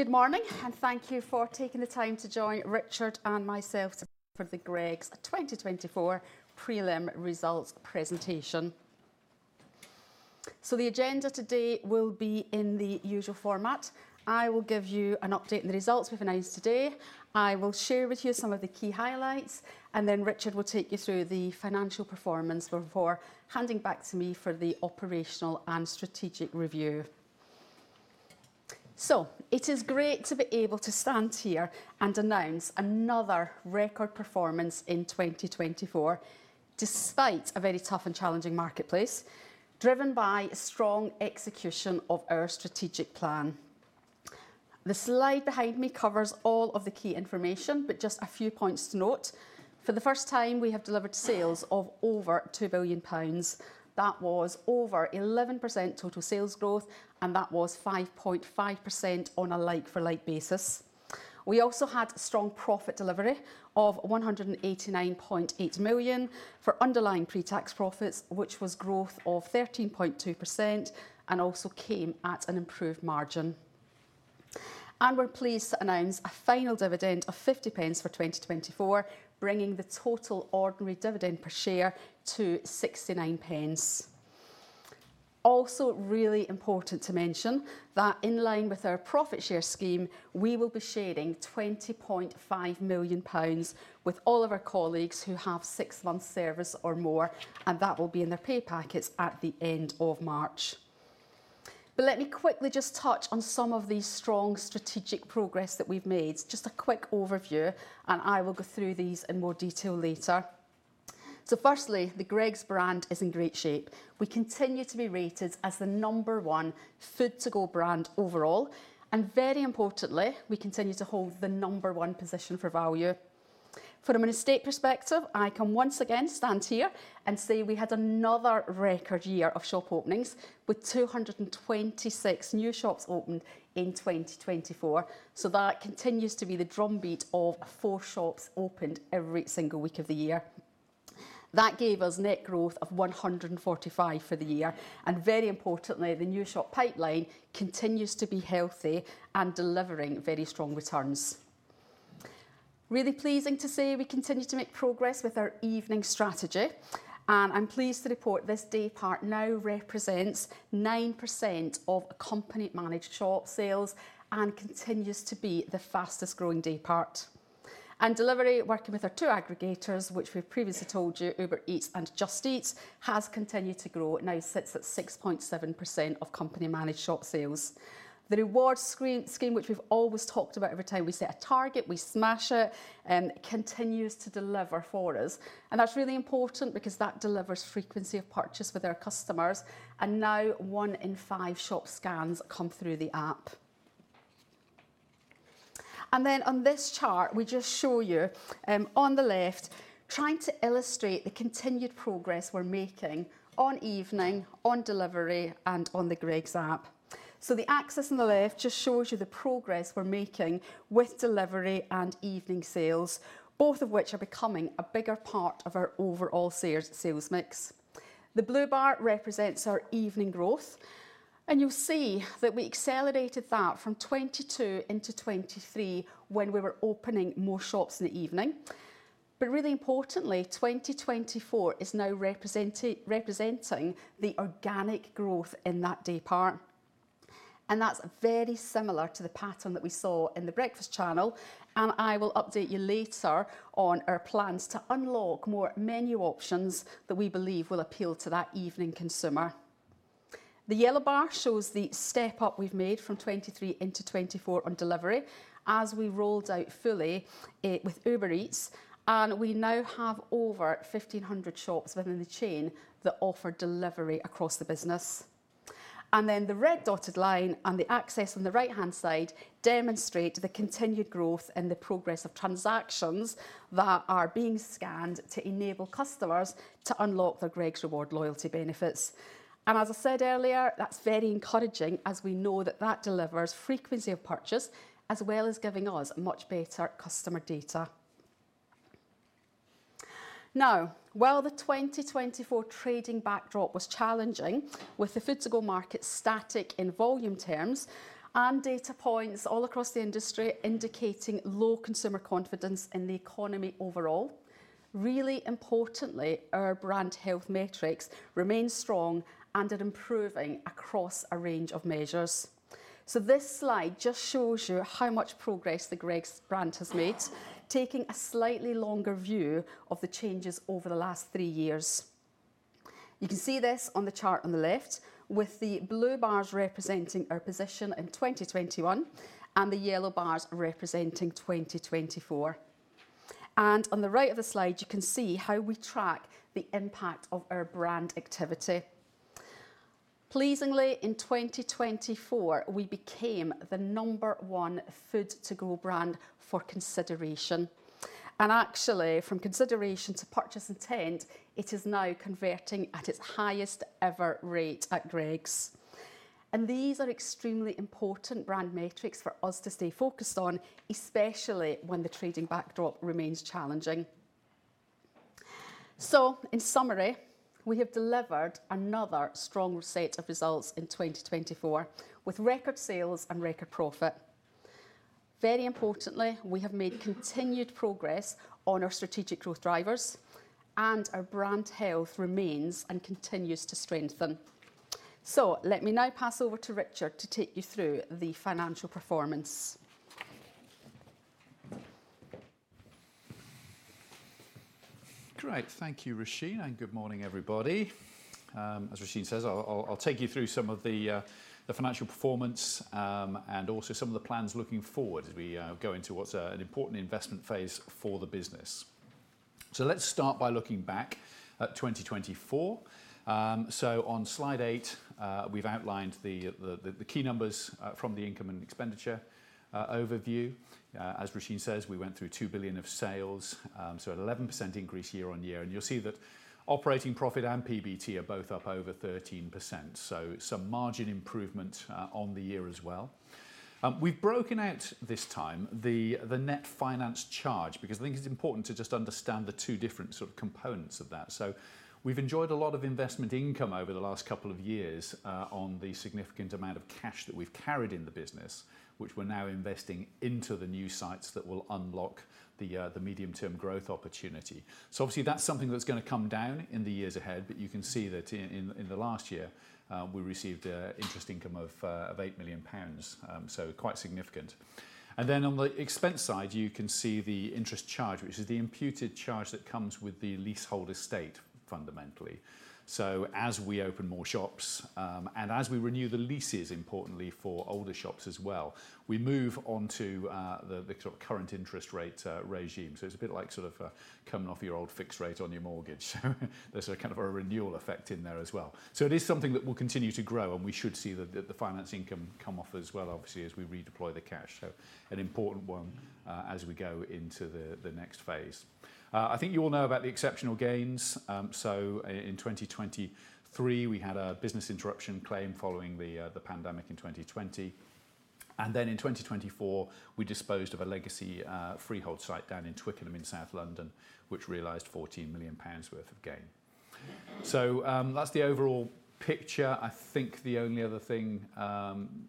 Good morning, and thank you for taking the time to join Richard and myself for the Greggs 2024 prelim results presentation. So the agenda today will be in the usual format. I will give you an update on the results we've announced today. I will share with you some of the key highlights, and then Richard will take you through the financial performance before handing back to me for the operational and strategic review. So it is great to be able to stand here and announce another record performance in 2024, despite a very tough and challenging marketplace, driven by a strong execution of our strategic plan. The slide behind me covers all of the key information, but just a few points to note. For the first time, we have delivered sales of over 2 billion pounds. That was over 11% total sales growth, and that was 5.5% on a like-for-like basis. We also had strong profit delivery of 189.8 million for underlying pre-tax profits, which was growth of 13.2% and also came at an improved margin. And we're pleased to announce a final dividend of 0.50 for 2024, bringing the total ordinary dividend per share to 0.69. Also really important to mention that in line with our profit share scheme, we will be sharing 20.5 million pounds with all of our colleagues who have six months service or more, and that will be in their pay packets at the end of March. But let me quickly just touch on some of the strong strategic progress that we've made. Just a quick overview, and I will go through these in more detail later. So firstly, the Greggs brand is in great shape. We continue to be rated as the number one food-to-go brand overall, and very importantly, we continue to hold the number one position for value. From an estate perspective, I can once again stand here and say we had another record year of shop openings with 226 new shops opened in 2024, so that continues to be the drumbeat of four shops opened every single week of the year. That gave us net growth of 145 for the year, and very importantly, the new shop pipeline continues to be healthy and delivering very strong returns. Really pleasing to say we continue to make progress with our evening strategy, and I'm pleased to report this daypart now represents 9% of company-managed shop sales and continues to be the fastest growing daypart. Delivery, working with our two aggregators, which we've previously told you, Uber Eats and Just Eat, has continued to grow, now sits at 6.7% of company-managed shop sales. The rewards scheme, which we've always talked about every time we set a target, we smash it, continues to deliver for us. That's really important because that delivers frequency of purchase with our customers. Now one in five shop scans come through the app. Then on this chart, we just show you on the left, trying to illustrate the continued progress we're making on evening, on delivery, and on the Greggs app. The axis on the left just shows you the progress we're making with delivery and evening sales, both of which are becoming a bigger part of our overall sales mix. The blue bar represents our evening growth, and you'll see that we accelerated that from 2022 into 2023 when we were opening more shops in the evening, but really importantly, 2024 is now representing the organic growth in that daypart, and that's very similar to the pattern that we saw in the breakfast channel, and I will update you later on our plans to unlock more menu options that we believe will appeal to that evening consumer. The yellow bar shows the step up we've made from 2023 into 2024 on delivery as we rolled out fully with Uber Eats, and we now have over 1,500 shops within the chain that offer delivery across the business. Then the red dotted line and the axis on the right-hand side demonstrate the continued growth in the progress of transactions that are being scanned to enable customers to unlock their Greggs Rewards loyalty benefits. As I said earlier, that's very encouraging as we know that that delivers frequency of purchase as well as giving us much better customer data. Now, while the 2024 trading backdrop was challenging with the food-to-go market static in volume terms and data points all across the industry indicating low consumer confidence in the economy overall, really importantly, our brand health metrics remain strong and are improving across a range of measures. This slide just shows you how much progress the Greggs brand has made, taking a slightly longer view of the changes over the last three years. You can see this on the chart on the left, with the blue bars representing our position in 2021 and the yellow bars representing 2024, and on the right of the slide, you can see how we track the impact of our brand activity. Pleasingly, in 2024, we became the number one food-to-go brand for consideration, and actually, from consideration to purchase intent, it is now converting at its highest ever rate at Greggs, and these are extremely important brand metrics for us to stay focused on, especially when the trading backdrop remains challenging, so in summary, we have delivered another strong set of results in 2024 with record sales and record profit. Very importantly, we have made continued progress on our strategic growth drivers, and our brand health remains and continues to strengthen, so let me now pass over to Richard to take you through the financial performance. Great. Thank you, Roisin, and good morning, everybody. As Roisin says, I'll take you through some of the financial performance and also some of the plans looking forward as we go into what's an important investment phase for the business. So let's start by looking back at 2024. So on slide eight, we've outlined the key numbers from the income and expenditure overview. As Roisin says, we went through 2 billion of sales, so an 11% increase year on year. And you'll see that operating profit and PBT are both up over 13%, so some margin improvement on the year as well. We've broken out this time the net finance charge because I think it's important to just understand the two different sort of components of that. So we've enjoyed a lot of investment income over the last couple of years on the significant amount of cash that we've carried in the business, which we're now investing into the new sites that will unlock the medium-term growth opportunity. So obviously, that's something that's going to come down in the years ahead. But you can see that in the last year, we received interest income of 8 million pounds, so quite significant. And then on the expense side, you can see the interest charge, which is the imputed charge that comes with the leasehold estate fundamentally. So as we open more shops and as we renew the leases, importantly for older shops as well, we move on to the current interest rate regime. So it's a bit like sort of coming off your old fixed rate on your mortgage. There's a kind of a renewal effect in there as well. So it is something that will continue to grow, and we should see the finance income come off as well, obviously, as we redeploy the cash. So an important one as we go into the next phase. I think you all know about the exceptional gains. So in 2023, we had a business interruption claim following the pandemic in 2020. And then in 2024, we disposed of a legacy freehold site down in Twickenham in South London, which realized 14 million pounds worth of gain. So that's the overall picture. I think the only other thing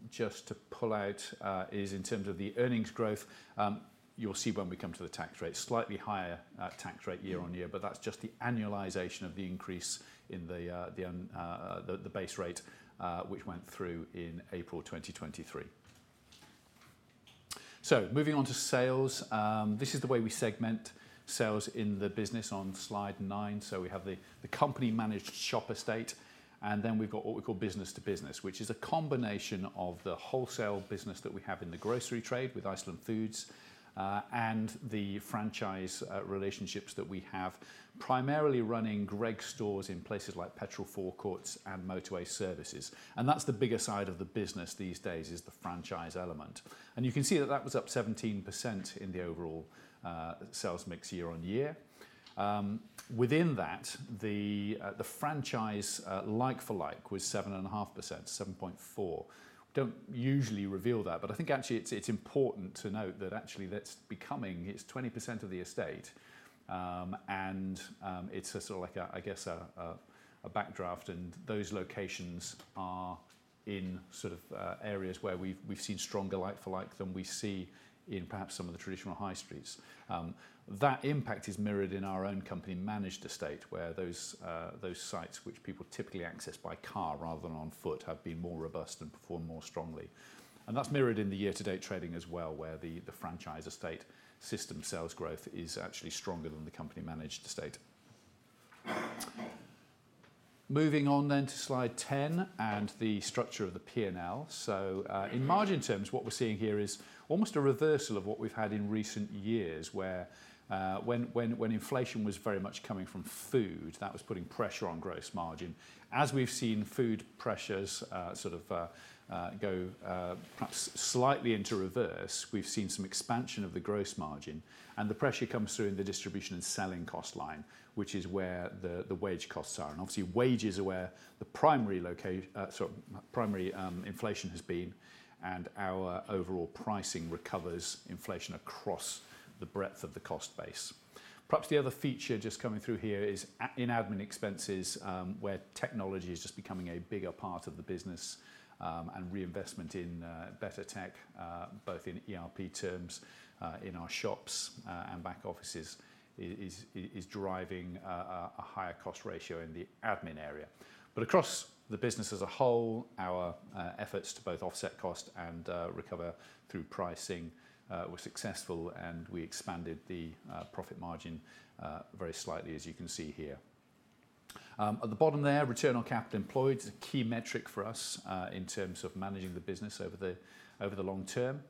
just to pull out is in terms of the earnings growth. You'll see when we come to the tax rate, slightly higher tax rate year on year, but that's just the annualization of the increase in the base rate, which went through in April 2023. Moving on to sales, this is the way we segment sales in the business on slide nine. We have the company-managed shop estate, and then we've got what we call business to business, which is a combination of the wholesale business that we have in the grocery trade with Iceland Foods and the franchise relationships that we have, primarily running Greggs stores in places like petrol forecourts and motorway services. That's the bigger side of the business these days is the franchise element. You can see that that was up 17% in the overall sales mix year on year. Within that, the franchise like-for-like was 7.5%, 7.4%. We don't usually reveal that, but I think actually it's important to note that actually that's becoming it's 20% of the estate, and it's a sort of like, I guess, a backdraft. And those locations are in sort of areas where we've seen stronger like-for-like than we see in perhaps some of the traditional high streets. That impact is mirrored in our own company-managed estate, where those sites which people typically access by car rather than on foot have been more robust and perform more strongly. And that's mirrored in the year-to-date trading as well, where the franchise estate system sales growth is actually stronger than the company-managed estate. Moving on then to slide 10 and the structure of the P&L. So in margin terms, what we're seeing here is almost a reversal of what we've had in recent years, where when inflation was very much coming from food, that was putting pressure on gross margin. As we've seen food pressures sort of go perhaps slightly into reverse, we've seen some expansion of the gross margin, and the pressure comes through in the distribution and selling cost line, which is where the wage costs are. And obviously, wages are where the primary inflation has been, and our overall pricing recovers inflation across the breadth of the cost base. Perhaps the other feature just coming through here is in admin expenses, where technology is just becoming a bigger part of the business, and reinvestment in better tech, both in ERP terms in our shops and back offices, is driving a higher cost ratio in the admin area. But across the business as a whole, our efforts to both offset cost and recover through pricing were successful, and we expanded the profit margin very slightly, as you can see here. At the bottom there, return on capital employed is a key metric for us in terms of managing the business over the long term.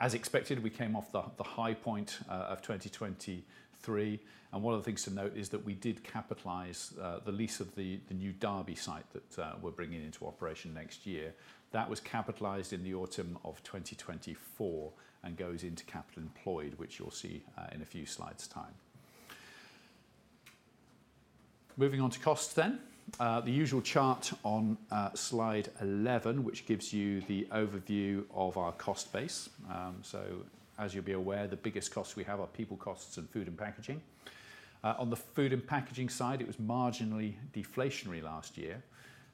As expected, we came off the high point of 2023. And one of the things to note is that we did capitalize the lease of the new Derby site that we're bringing into operation next year. That was capitalized in the autumn of 2024 and goes into capital employed, which you'll see in a few slides' time. Moving on to costs then, the usual chart on slide 11, which gives you the overview of our cost base. So as you'll be aware, the biggest costs we have are people costs and food and packaging. On the food and packaging side, it was marginally deflationary last year,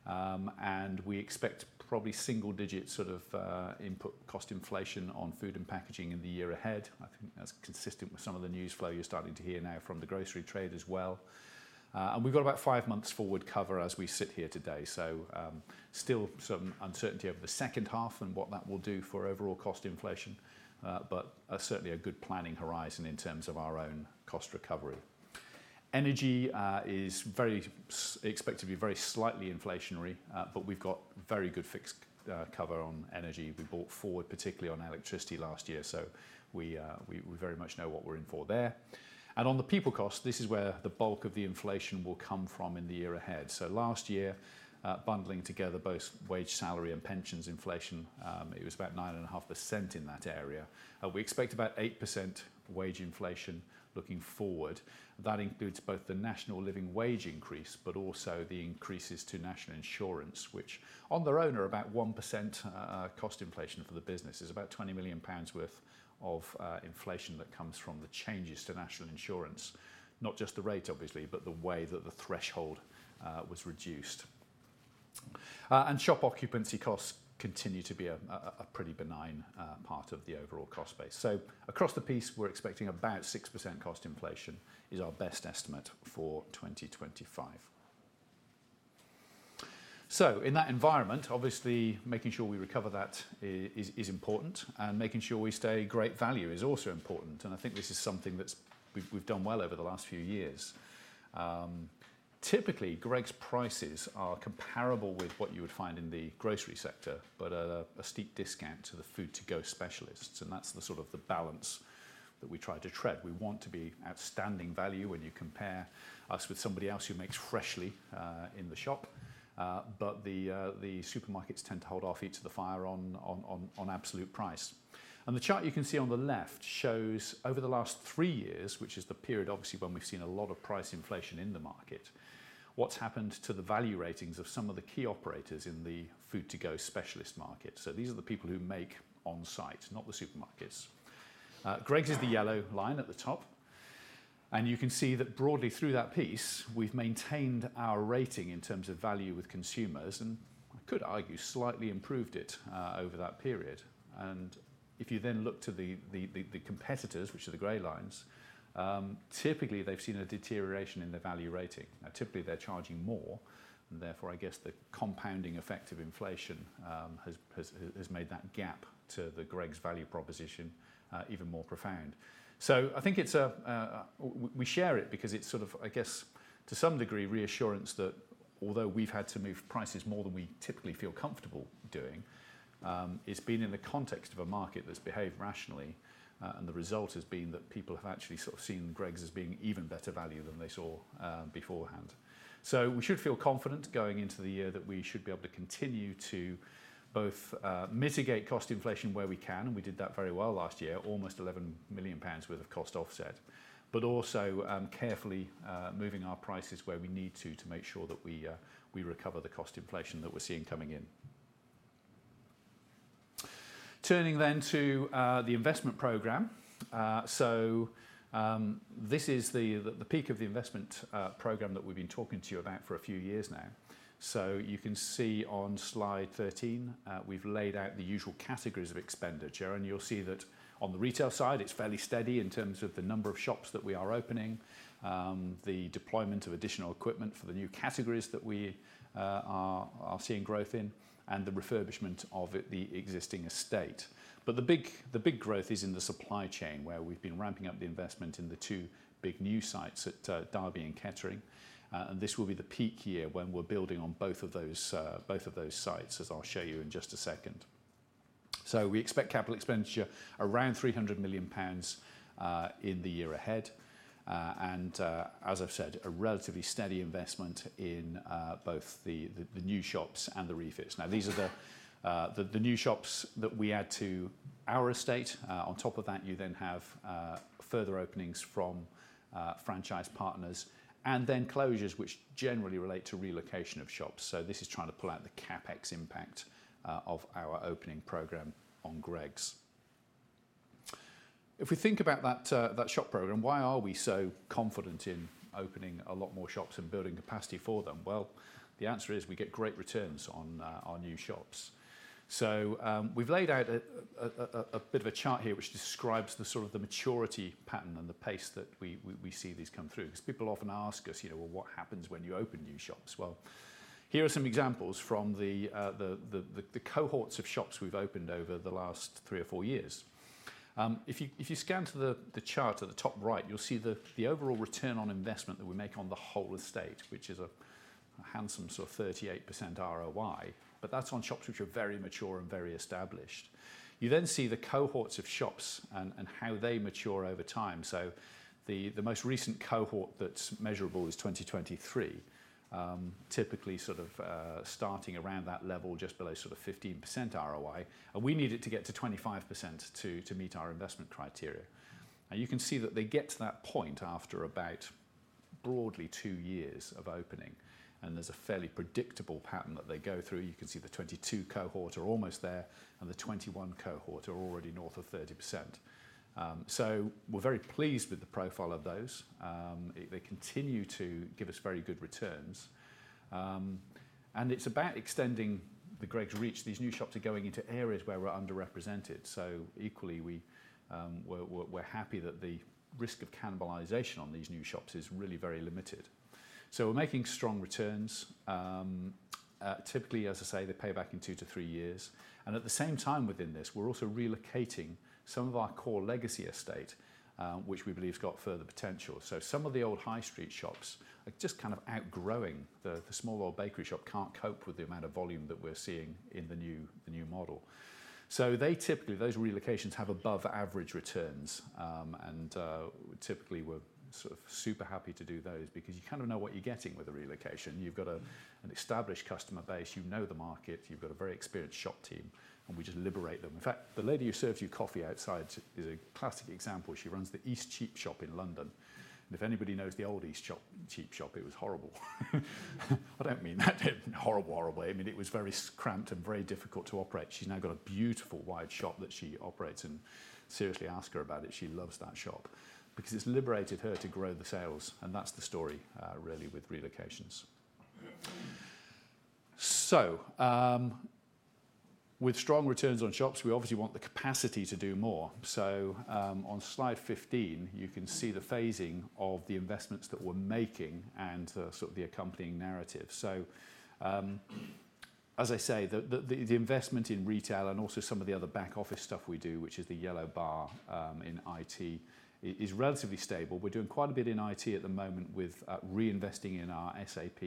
and we expect probably single-digit sort of input cost inflation on food and packaging in the year ahead. I think that's consistent with some of the news flow you're starting to hear now from the grocery trade as well. And we've got about five months forward cover as we sit here today. So still some uncertainty over the second half and what that will do for overall cost inflation, but certainly a good planning horizon in terms of our own cost recovery. Energy is expected to be very slightly inflationary, but we've got very good fixed cover on energy. We bought forward, particularly on electricity last year, so we very much know what we're in for there. And on the people cost, this is where the bulk of the inflation will come from in the year ahead. So last year, bundling together both wage, salary, and pensions inflation, it was about 9.5% in that area. We expect about 8% wage inflation looking forward. That includes both the National Living Wage increase, but also the increases to National Insurance, which on their own are about 1% cost inflation for the business. It's about 20 million pounds worth of inflation that comes from the changes to National Insurance, not just the rate, obviously, but the way that the threshold was reduced. And shop occupancy costs continue to be a pretty benign part of the overall cost base. So across the piece, we're expecting about 6% cost inflation is our best estimate for 2025. So in that environment, obviously, making sure we recover that is important, and making sure we stay great value is also important. And I think this is something that we've done well over the last few years. Typically, Greggs prices are comparable with what you would find in the grocery sector, but at a steep discount to the food-to-go specialists, and that's the sort of balance that we try to tread. We want to be outstanding value when you compare us with somebody else who makes freshly in the shop, but the supermarkets tend to hold off heat to the fire on absolute price, and the chart you can see on the left shows, over the last three years, which is the period obviously when we've seen a lot of price inflation in the market, what's happened to the value ratings of some of the key operators in the food-to-go specialist market, so these are the people who make on site, not the supermarkets. Greggs is the yellow line at the top. You can see that broadly through that piece, we've maintained our rating in terms of value with consumers, and I could argue slightly improved it over that period. If you then look to the competitors, which are the gray lines, typically they've seen a deterioration in their value rating. Now, typically they're charging more, and therefore, I guess the compounding effect of inflation has made that gap to the Greggs value proposition even more profound. I think we share it because it's sort of, I guess, to some degree, reassurance that although we've had to move prices more than we typically feel comfortable doing, it's been in the context of a market that's behaved rationally, and the result has been that people have actually sort of seen Greggs as being even better value than they saw beforehand. We should feel confident going into the year that we should be able to continue to both mitigate cost inflation where we can, and we did that very well last year, almost 11 million pounds worth of cost offset, but also carefully moving our prices where we need to to make sure that we recover the cost inflation that we're seeing coming in. Turning then to the investment program. This is the peak of the investment program that we've been talking to you about for a few years now. You can see on slide 13, we've laid out the usual categories of expenditure. You'll see that on the retail side, it's fairly steady in terms of the number of shops that we are opening, the deployment of additional equipment for the new categories that we are seeing growth in, and the refurbishment of the existing estate. But the big growth is in the supply chain where we've been ramping up the investment in the two big new sites at Derby and Kettering. And this will be the peak year when we're building on both of those sites, as I'll show you in just a second. So we expect capital expenditure around 300 million pounds in the year ahead. And as I've said, a relatively steady investment in both the new shops and the refits. Now, these are the new shops that we add to our estate. On top of that, you then have further openings from franchise partners and then closures, which generally relate to relocation of shops. So this is trying to pull out the CapEx impact of our opening program on Greggs. If we think about that shop program, why are we so confident in opening a lot more shops and building capacity for them? The answer is we get great returns on our new shops. We've laid out a bit of a chart here which describes the sort of maturity pattern and the pace that we see these come through. Because people often ask us, "Well, what happens when you open new shops?" Here are some examples from the cohorts of shops we've opened over the last three or four years. If you scan to the chart at the top right, you'll see the overall return on investment that we make on the whole estate, which is a handsome sort of 38% ROI, but that's on shops which are very mature and very established. You then see the cohorts of shops and how they mature over time. The most recent cohort that's measurable is 2023, typically sort of starting around that level, just below sort of 15% ROI. And we need it to get to 25% to meet our investment criteria. And you can see that they get to that point after about broadly two years of opening, and there's a fairly predictable pattern that they go through. You can see the 2022 cohort are almost there, and the 2021 cohort are already north of 30%. So we're very pleased with the profile of those. They continue to give us very good returns. And it's about extending the Greggs reach. These new shops are going into areas where we're underrepresented. So equally, we're happy that the risk of cannibalization on these new shops is really very limited. So we're making strong returns. Typically, as I say, they pay back in two to three years. And at the same time within this, we're also relocating some of our core legacy estate, which we believe has got further potential. So some of the old high street shops are just kind of outgrowing. The small old bakery shop can't cope with the amount of volume that we're seeing in the new model. So typically, those relocations have above-average returns. And typically, we're sort of super happy to do those because you kind of know what you're getting with a relocation. You've got an established customer base. You know the market. You've got a very experienced shop team, and we just liberate them. In fact, the lady who served you coffee outside is a classic example. She runs the Eastcheap shop in London. And if anybody knows the old Eastcheap shop, it was horrible. I don't mean that horrible, horrible. I mean, it was very cramped and very difficult to operate. She's now got a beautiful wide shop that she operates. And seriously, ask her about it. She loves that shop because it's liberated her to grow the sales. And that's the story, really, with relocations. So with strong returns on shops, we obviously want the capacity to do more. So on slide 15, you can see the phasing of the investments that we're making and sort of the accompanying narrative. So as I say, the investment in retail and also some of the other back-office stuff we do, which is the yellow bar in IT, is relatively stable. We're doing quite a bit in IT at the moment with reinvesting in our SAP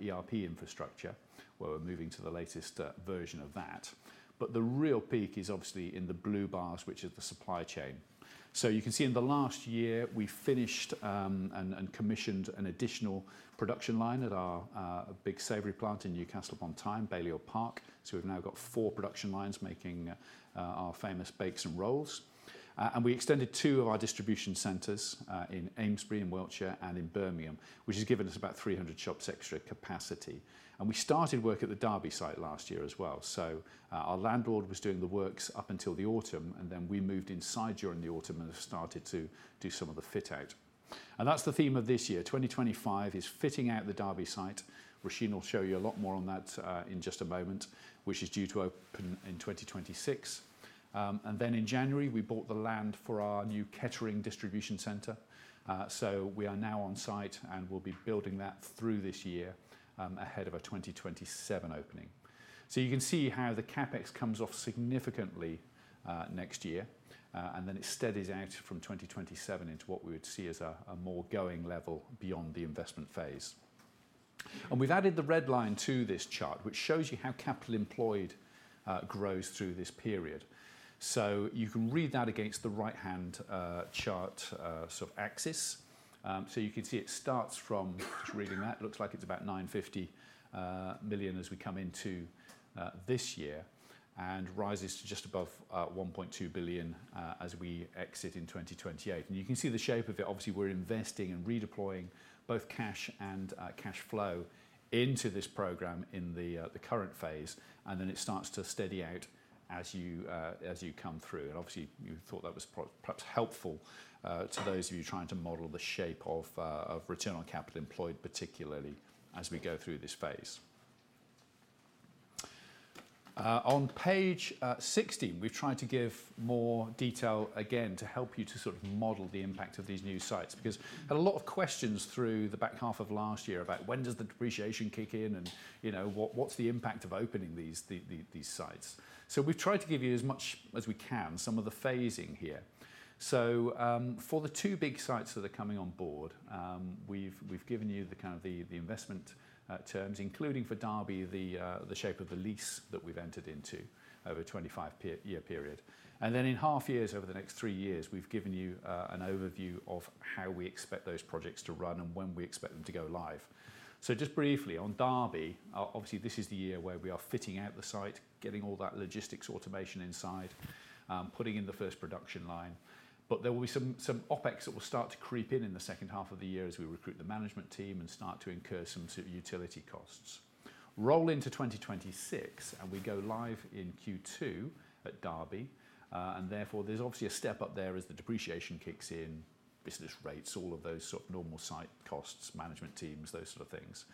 ERP infrastructure, where we're moving to the latest version of that. But the real peak is obviously in the blue bars, which is the supply chain. So you can see in the last year, we finished and commissioned an additional production line at our big savoury plant in Newcastle upon Tyne, Balliol Park. So we've now got four production lines making our famous bakes and rolls. And we extended two of our distribution centres in Amesbury, in Wiltshire, and in Birmingham, which has given us about 300 shops extra capacity. And we started work at the Derby site last year as well. So our landlord was doing the works up until the autumn, and then we moved inside during the autumn and started to do some of the fit-out. And that's the theme of this year. 2025 is fitting out the Derby site. Roisin will show you a lot more on that in just a moment, which is due to open in 2026. And then in January, we bought the land for our new Kettering distribution center. So we are now on site and will be building that through this year ahead of our 2027 opening. So you can see how the CapEx comes off significantly next year, and then it steadies out from 2027 into what we would see as a more going level beyond the investment phase. And we've added the red line to this chart, which shows you how capital employed grows through this period. So you can read that against the right-hand chart sort of axis. So you can see it starts from just reading that. It looks like it's about 950 million as we come into this year and rises to just above 1.2 billion as we exit in 2028. And you can see the shape of it. Obviously, we're investing and redeploying both cash and cash flow into this program in the current phase. And then it starts to steady out as you come through. And obviously, you thought that was perhaps helpful to those of you trying to model the shape of Return on Capital Employed, particularly as we go through this phase. On page 16, we've tried to give more detail again to help you to sort of model the impact of these new sites because we had a lot of questions through the back half of last year about when does the depreciation kick in and what's the impact of opening these sites. So we've tried to give you as much as we can some of the phasing here. So for the two big sites that are coming on board, we've given you the kind of the investment terms, including for Derby, the shape of the lease that we've entered into over a 25-year period. And then in half years, over the next three years, we've given you an overview of how we expect those projects to run and when we expect them to go live. So just briefly, on Derby, obviously, this is the year where we are fitting out the site, getting all that logistics automation inside, putting in the first production line. But there will be some OpEx that will start to creep in in the second half of the year as we recruit the management team and start to incur some sort of utility costs. Roll into 2026, and we go live in Q2 at Derby. And therefore, there's obviously a step up there as the depreciation kicks in, business rates, all of those sort of normal site costs, management teams, those sort of things.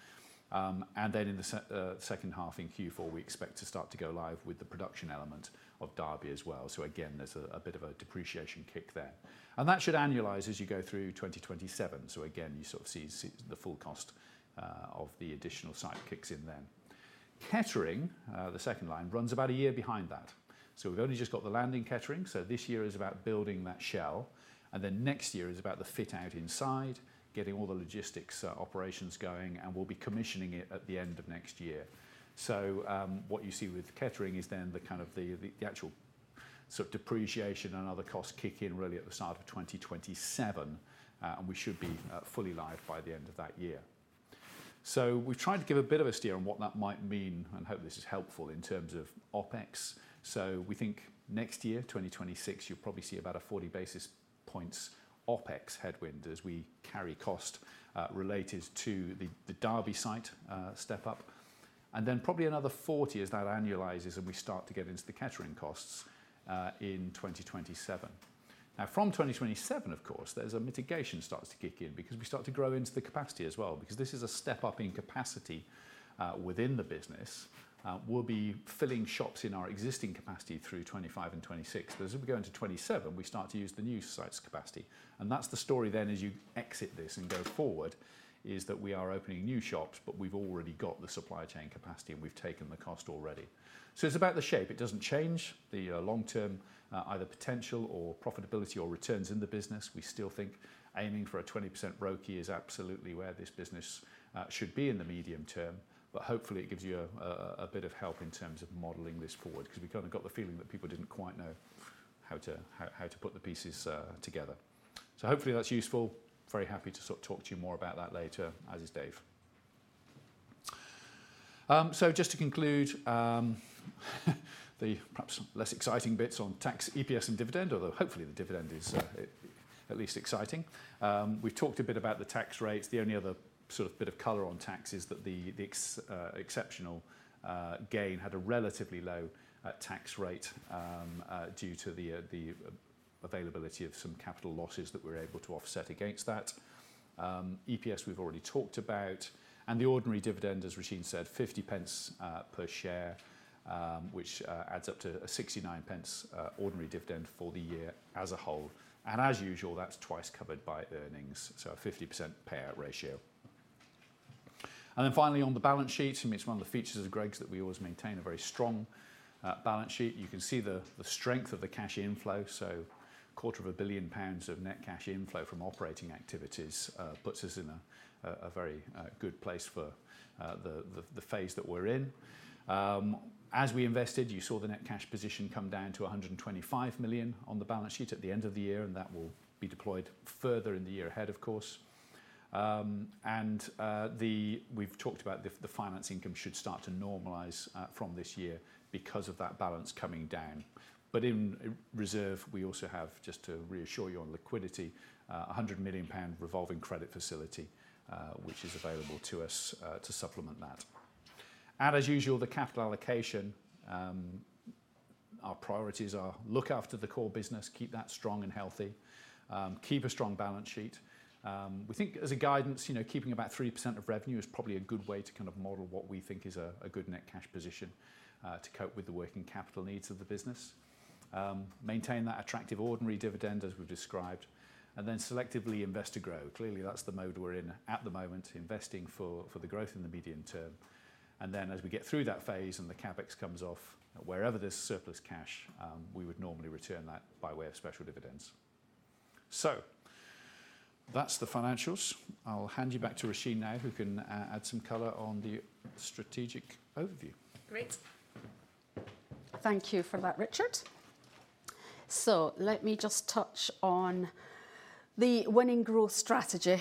And then in the second half in Q4, we expect to start to go live with the production element of Derby as well. So again, there's a bit of a depreciation kick there. And that should annualize as you go through 2027. So again, you sort of see the full cost of the additional site kicks in there. Kettering, the second line, runs about a year behind that. So we've only just got the land in Kettering. So this year is about building that shell. And then next year is about the fit-out inside, getting all the logistics operations going, and we'll be commissioning it at the end of next year. So what you see with Kettering is then the kind of the actual sort of depreciation and other costs kick in really at the start of 2027, and we should be fully live by the end of that year. So we've tried to give a bit of a steer on what that might mean, and hope this is helpful in terms of OpEx. So we think next year, 2026, you'll probably see about a 40 basis points OpEx headwind as we carry cost related to the Derby site step up. And then probably another 40 as that annualizes and we start to get into the Kettering costs in 2027. Now, from 2027, of course, there's a mitigation that starts to kick in because we start to grow into the capacity as well. Because this is a step up in capacity within the business. We'll be filling shops in our existing capacity through 2025 and 2026. But as we go into 2027, we start to use the new site's capacity. And that's the story then as you exit this and go forward, is that we are opening new shops, but we've already got the supply chain capacity and we've taken the cost already. So it's about the shape. It doesn't change the long-term either potential or profitability or returns in the business. We still think aiming for a 20% ROI is absolutely where this business should be in the medium term. But hopefully, it gives you a bit of help in terms of modeling this forward because we kind of got the feeling that people didn't quite know how to put the pieces together. So hopefully, that's useful. Very happy to sort of talk to you more about that later, as is Dave. So just to conclude the perhaps less exciting bits on tax EPS and dividend, although hopefully the dividend is at least exciting. We've talked a bit about the tax rates. The only other sort of bit of colour on tax is that the exceptional gain had a relatively low tax rate due to the availability of some capital losses that we were able to offset against that. EPS we've already talked about. And the ordinary dividend, as Roisin said, 0.50 per share, which adds up to a 0.69 ordinary dividend for the year as a whole. And as usual, that's twice covered by earnings, so a 50% payout ratio. And then finally, on the balance sheet, it's one of the features of Greggs that we always maintain, a very strong balance sheet. You can see the strength of the cash inflow. So 250,000,000 pounds of net cash inflow from operating activities puts us in a very good place for the phase that we're in. As we invested, you saw the net cash position come down to 125 million on the balance sheet at the end of the year, and that will be deployed further in the year ahead, of course. And we've talked about the finance income should start to normalize from this year because of that balance coming down. But in reserve, we also have, just to reassure you on liquidity, a 100 million pound revolving credit facility, which is available to us to supplement that. And as usual, the capital allocation, our priorities are look after the core business, keep that strong and healthy, keep a strong balance sheet. We think as a guidance, keeping about 3% of revenue is probably a good way to kind of model what we think is a good net cash position to cope with the working capital needs of the business. Maintain that attractive ordinary dividend, as we've described, and then selectively invest to grow. Clearly, that's the mode we're in at the moment, investing for the growth in the medium term, and then as we get through that phase and the CapEx comes off, wherever there's surplus cash, we would normally return that by way of special dividends, so that's the financials. I'll hand you back to Roisin now, who can add some color on the strategic overview. Great. Thank you for that, Richard. So let me just touch on the winning growth strategy.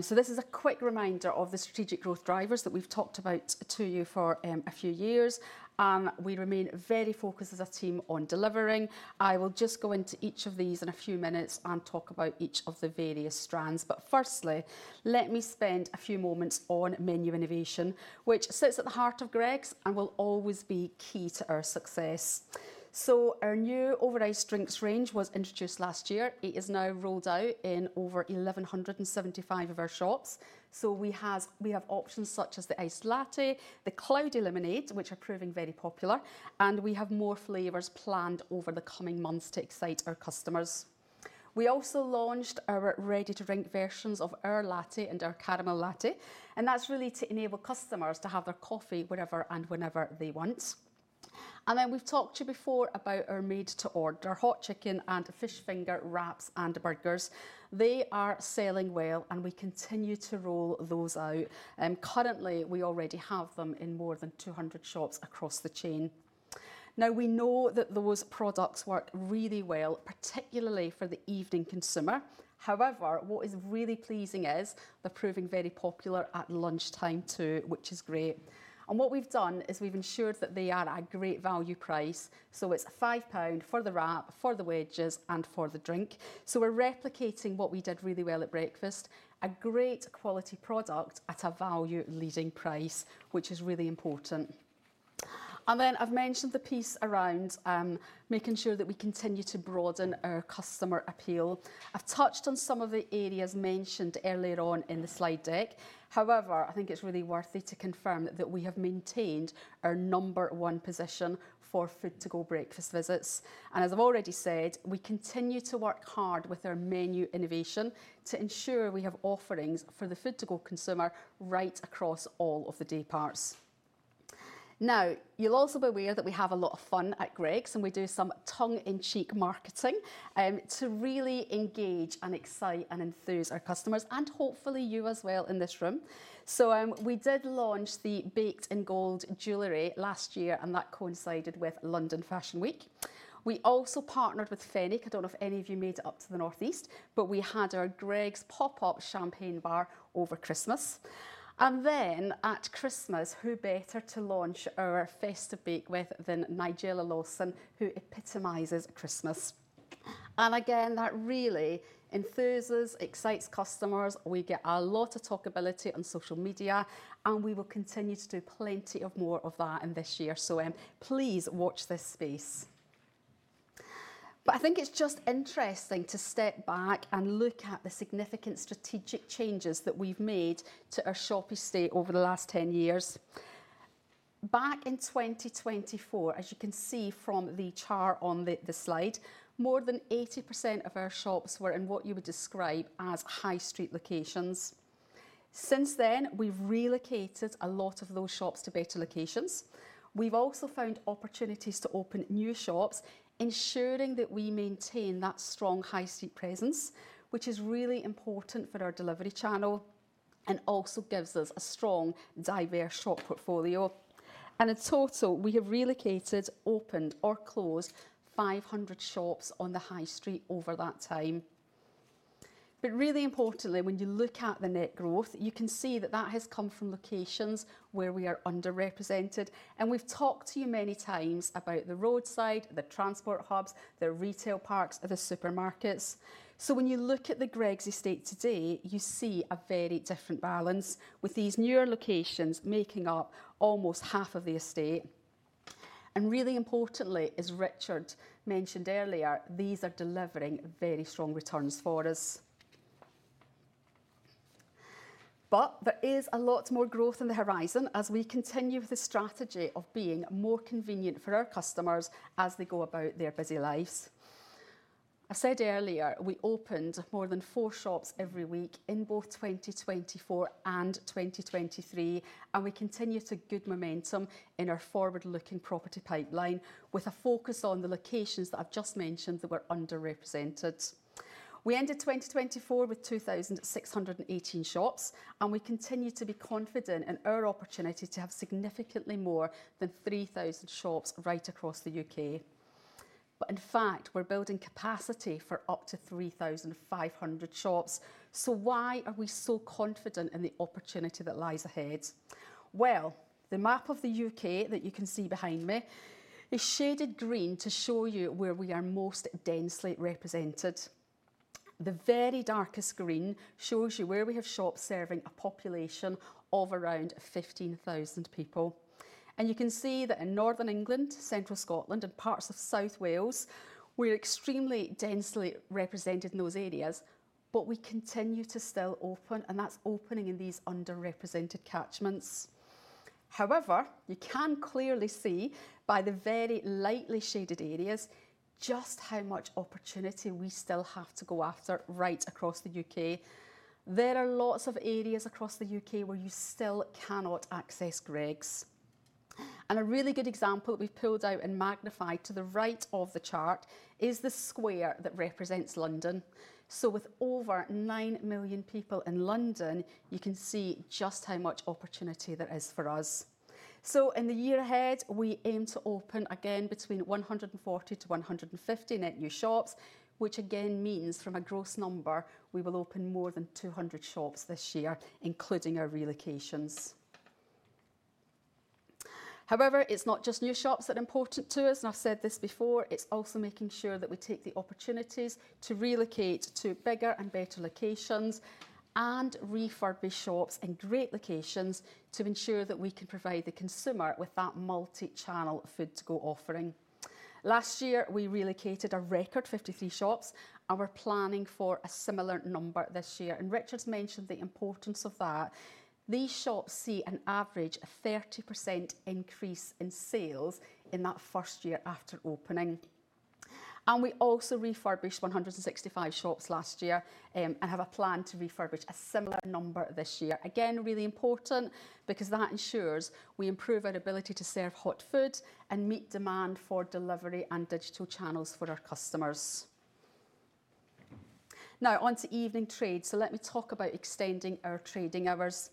So this is a quick reminder of the strategic growth drivers that we've talked about to you for a few years. And we remain very focused as a team on delivering. I will just go into each of these in a few minutes and talk about each of the various strands. But firstly, let me spend a few moments on menu innovation, which sits at the heart of Greggs and will always be key to our success. So our new over-ice drinks range was introduced last year. It is now rolled out in over 1,175 of our shops. So we have options such as the iced latte, the cloudy lemonade, which are proving very popular, and we have more flavors planned over the coming months to excite our customers. We also launched our ready-to-drink versions of our latte and our caramel latte, and that's really to enable customers to have their coffee wherever and whenever they want, and then we've talked to you before about our made-to-order, hot chicken and fish finger wraps and burgers. They are selling well, and we continue to roll those out. Currently, we already have them in more than 200 shops across the chain. Now, we know that those products work really well, particularly for the evening consumer. However, what is really pleasing is they're proving very popular at lunchtime too, which is great, and what we've done is we've ensured that they are a great value price, so it's 5 pound for the wrap, for the wedges, and for the drink, so we're replicating what we did really well at breakfast, a great quality product at a value leading price, which is really important. Then I've mentioned the piece around making sure that we continue to broaden our customer appeal. I've touched on some of the areas mentioned earlier on in the slide deck. However, I think it's really worthy to confirm that we have maintained our number one position for food-to-go breakfast visits. And as I've already said, we continue to work hard with our menu innovation to ensure we have offerings for the food-to-go consumer right across all of the dayparts. Now, you'll also be aware that we have a lot of fun at Greggs, and we do some tongue-in-cheek marketing to really engage and excite and enthuse our customers, and hopefully you as well in this room. We did launch the Baked in Gold jewellery last year, and that coincided with London Fashion Week. We also partnered with Fenwick. I don't know if any of you made it up to the northeast, but we had our Greggs pop-up champagne bar over Christmas. Then at Christmas, who better to launch our Festive Bake with than Nigella Lawson, who epitomizes Christmas? That really enthuses, excites customers. We get a lot of talkability on social media, and we will continue to do plenty of more of that in this year. Please watch this space. It is just interesting to step back and look at the significant strategic changes that we've made to our shop estate over the last 10 years. Back in 2024, as you can see from the chart on the slide, more than 80% of our shops were in what you would describe as high street locations. Since then, we've relocated a lot of those shops to better locations. We've also found opportunities to open new shops, ensuring that we maintain that strong high street presence, which is really important for our delivery channel and also gives us a strong, diverse shop portfolio, and in total, we have relocated, opened or closed 500 shops on the high street over that time, but really importantly, when you look at the net growth, you can see that that has come from locations where we are underrepresented, and we've talked to you many times about the roadside, the transport hubs, the retail parks, the supermarkets, so when you look at the Greggs estate today, you see a very different balance with these newer locations making up almost half of the estate, and really importantly, as Richard mentioned earlier, these are delivering very strong returns for us. But there is a lot more growth on the horizon as we continue with the strategy of being more convenient for our customers as they go about their busy lives. I said earlier, we opened more than four shops every week in both 2024 and 2023, and we continue with good momentum in our forward-looking property pipeline with a focus on the locations that I've just mentioned that were underrepresented. We ended 2024 with 2,618 shops, and we continue to be confident in our opportunity to have significantly more than 3,000 shops right across the U.K. But in fact, we're building capacity for up to 3,500 shops. So why are we so confident in the opportunity that lies ahead? Well, the map of the U.K. that you can see behind me is shaded green to show you where we are most densely represented. The very darkest green shows you where we have shops serving a population of around 15,000 people. And you can see that in Northern England, Central Scotland, and parts of South Wales, we're extremely densely represented in those areas, but we continue to still open, and that's opening in these underrepresented catchments. However, you can clearly see by the very lightly shaded areas just how much opportunity we still have to go after right across the U.K. There are lots of areas across the U.K. where you still cannot access Greggs. And a really good example that we've pulled out and magnified to the right of the chart is the square that represents London. So with over 9 million people in London, you can see just how much opportunity there is for us. In the year ahead, we aim to open again between 140-150 net new shops, which again means from a gross number, we will open more than 200 shops this year, including our relocations. However, it's not just new shops that are important to us, and I've said this before. It's also making sure that we take the opportunities to relocate to bigger and better locations and refurbish shops in great locations to ensure that we can provide the consumer with that multi-channel food-to-go offering. Last year, we relocated a record 53 shops, and we're planning for a similar number this year. Richard's mentioned the importance of that. These shops see an average of 30% increase in sales in that first year after opening. We also refurbished 165 shops last year and have a plan to refurbish a similar number this year. Again, really important because that ensures we improve our ability to serve hot food and meet demand for delivery and digital channels for our customers. Now, onto evening trades. So let me talk about extending our trading hours.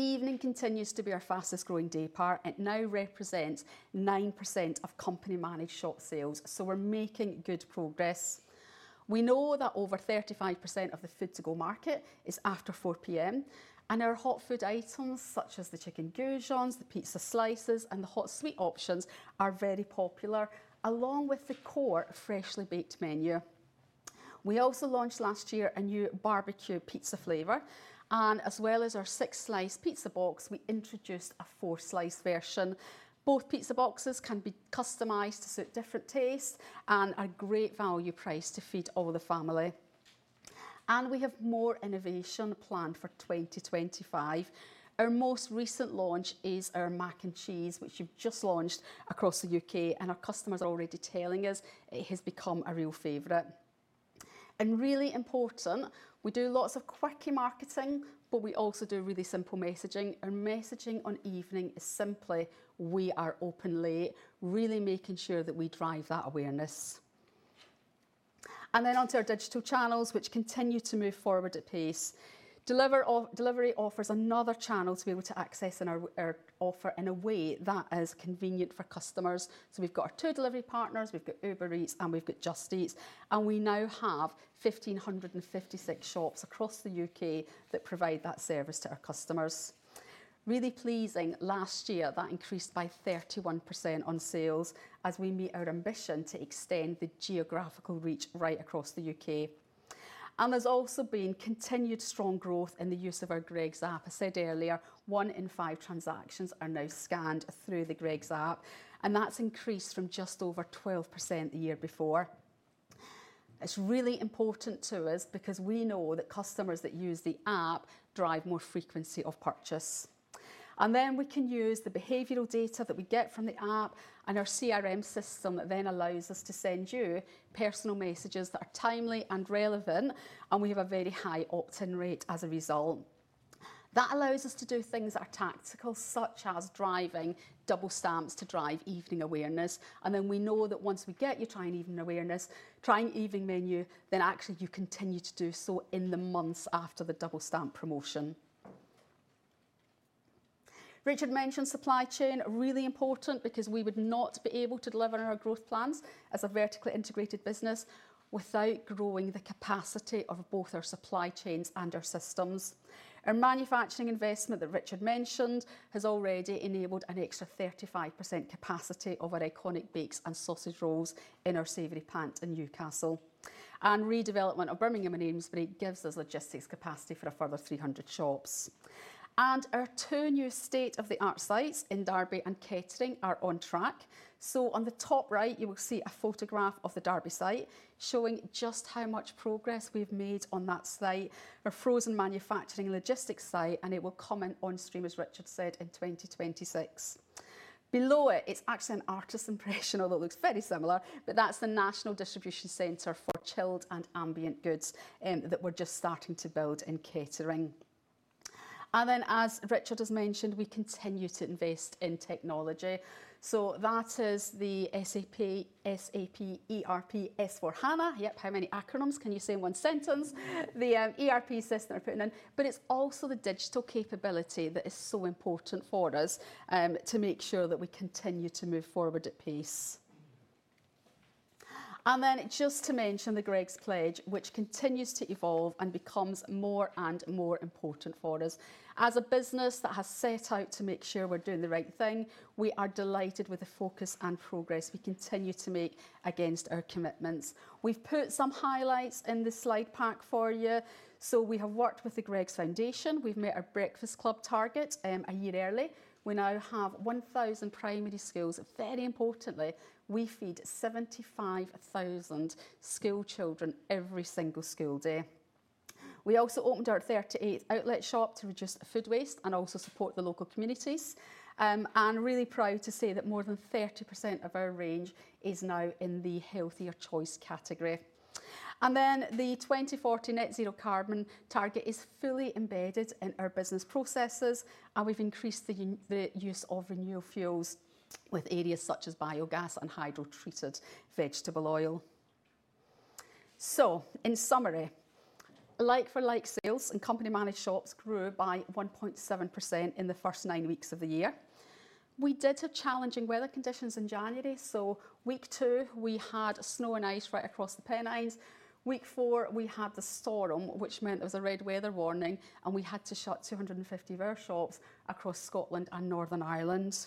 Evening continues to be our fastest growing daypart. It now represents 9% of company-managed shop sales, so we're making good progress. We know that over 35% of the food-to-go market is after 4:00 P.M., and our hot food items such as the chicken goujons, the pizza slices, and the hot sweet options are very popular, along with the core freshly baked menu. We also launched last year a new barbecue pizza flavor, and as well as our six-slice pizza box, we introduced a four-slice version. Both pizza boxes can be customized to suit different tastes and are great value price to feed all the family. We have more innovation planned for 2025. Our most recent launch is our Mac and Cheese, which we've just launched across the U.K., and our customers are already telling us it has become a real favorite. Really important, we do lots of quirky marketing, but we also do really simple messaging. Our messaging on evening is simply, we are open late, really making sure that we drive that awareness. Onto our digital channels, which continue to move forward at pace. Delivery offers another channel to be able to access our offer in a way that is convenient for customers. We've got our two delivery partners, we've got Uber Eats, and we've got Just Eat, and we now have 1,556 shops across the U.K. that provide that service to our customers. Really pleasing, last year that increased by 31% on sales as we meet our ambition to extend the geographical reach right across the U.K., and there's also been continued strong growth in the use of our Greggs app. I said earlier, one in five transactions are now scanned through the Greggs app, and that's increased from just over 12% the year before. It's really important to us because we know that customers that use the app drive more frequency of purchase, and then we can use the behavioral data that we get from the app and our CRM system that then allows us to send you personal messages that are timely and relevant, and we have a very high opt-in rate as a result. That allows us to do things that are tactical, such as driving double stamps to drive evening awareness. We know that once we get you trying evening awareness, trying evening menu, then actually you continue to do so in the months after the double stamp promotion. Richard mentioned supply chain, really important because we would not be able to deliver our growth plans as a vertically integrated business without growing the capacity of both our supply chains and our systems. Our manufacturing investment that Richard mentioned has already enabled an extra 35% capacity of our iconic bakes and sausage rolls in our savoury plant in Newcastle. Redevelopment of Birmingham and Amesbury gives us logistics capacity for a further 300 shops. Our two new state-of-the-art sites in Derby and Kettering are on track. So on the top right, you will see a photograph of the Derby site showing just how much progress we've made on that site, our frozen manufacturing logistics site, and it will come in on stream, as Richard said, in 2026. Below it, it's actually an artist's impression, although it looks very similar, but that's the National Distribution Centre for Chilled and Ambient Goods that we're just starting to build in Kettering. And then, as Richard has mentioned, we continue to invest in technology. So that is the SAP, SAP, ERP, S/4HANA. Yep, how many acronyms can you say in one sentence? The ERP system we're putting in, but it's also the digital capability that is so important for us to make sure that we continue to move forward at pace. And then just to mention the Greggs Pledge, which continues to evolve and becomes more and more important for us. As a business that has set out to make sure we're doing the right thing, we are delighted with the focus and progress we continue to make against our commitments. We've put some highlights in this slide pack for you. So we have worked with the Greggs Foundation. We've met our Breakfast Club target a year early. We now have 1,000 primary schools. Very importantly, we feed 75,000 school children every single school day. We also opened our 38th outlet shop to reduce food waste and also support the local communities. And really proud to say that more than 30% of our range is now in the healthier choice category. Then the 2040 Net Zero carbon target is fully embedded in our business processes, and we've increased the use of renewable fuels with areas such as biogas and hydrotreated vegetable oil. In summary, like-for-like sales and company-managed shops grew by 1.7% in the first nine weeks of the year. We did have challenging weather conditions in January. Week two, we had snow and ice right across the Pennines. Week four, we had the storm, which meant there was a red weather warning, and we had to shut 250 of our shops across Scotland and Northern Ireland.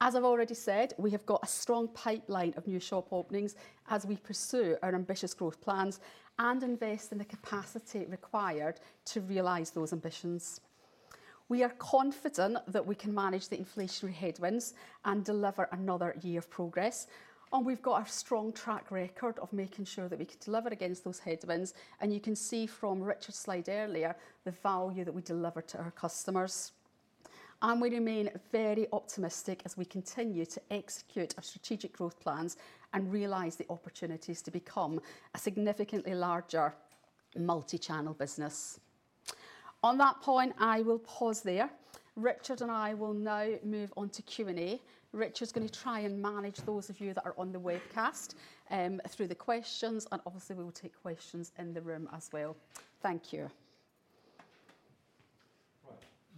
As I've already said, we have got a strong pipeline of new shop openings as we pursue our ambitious growth plans and invest in the capacity required to realize those ambitions. We are confident that we can manage the inflationary headwinds and deliver another year of progress. And we've got a strong track record of making sure that we can deliver against those headwinds. And you can see from Richard's slide earlier the value that we deliver to our customers. And we remain very optimistic as we continue to execute our strategic growth plans and realize the opportunities to become a significantly larger multi-channel business. On that point, I will pause there. Richard and I will now move on to Q and A. Richard's going to try and manage those of you that are on the webcast through the questions, and obviously, we will take questions in the room as well. Thank you.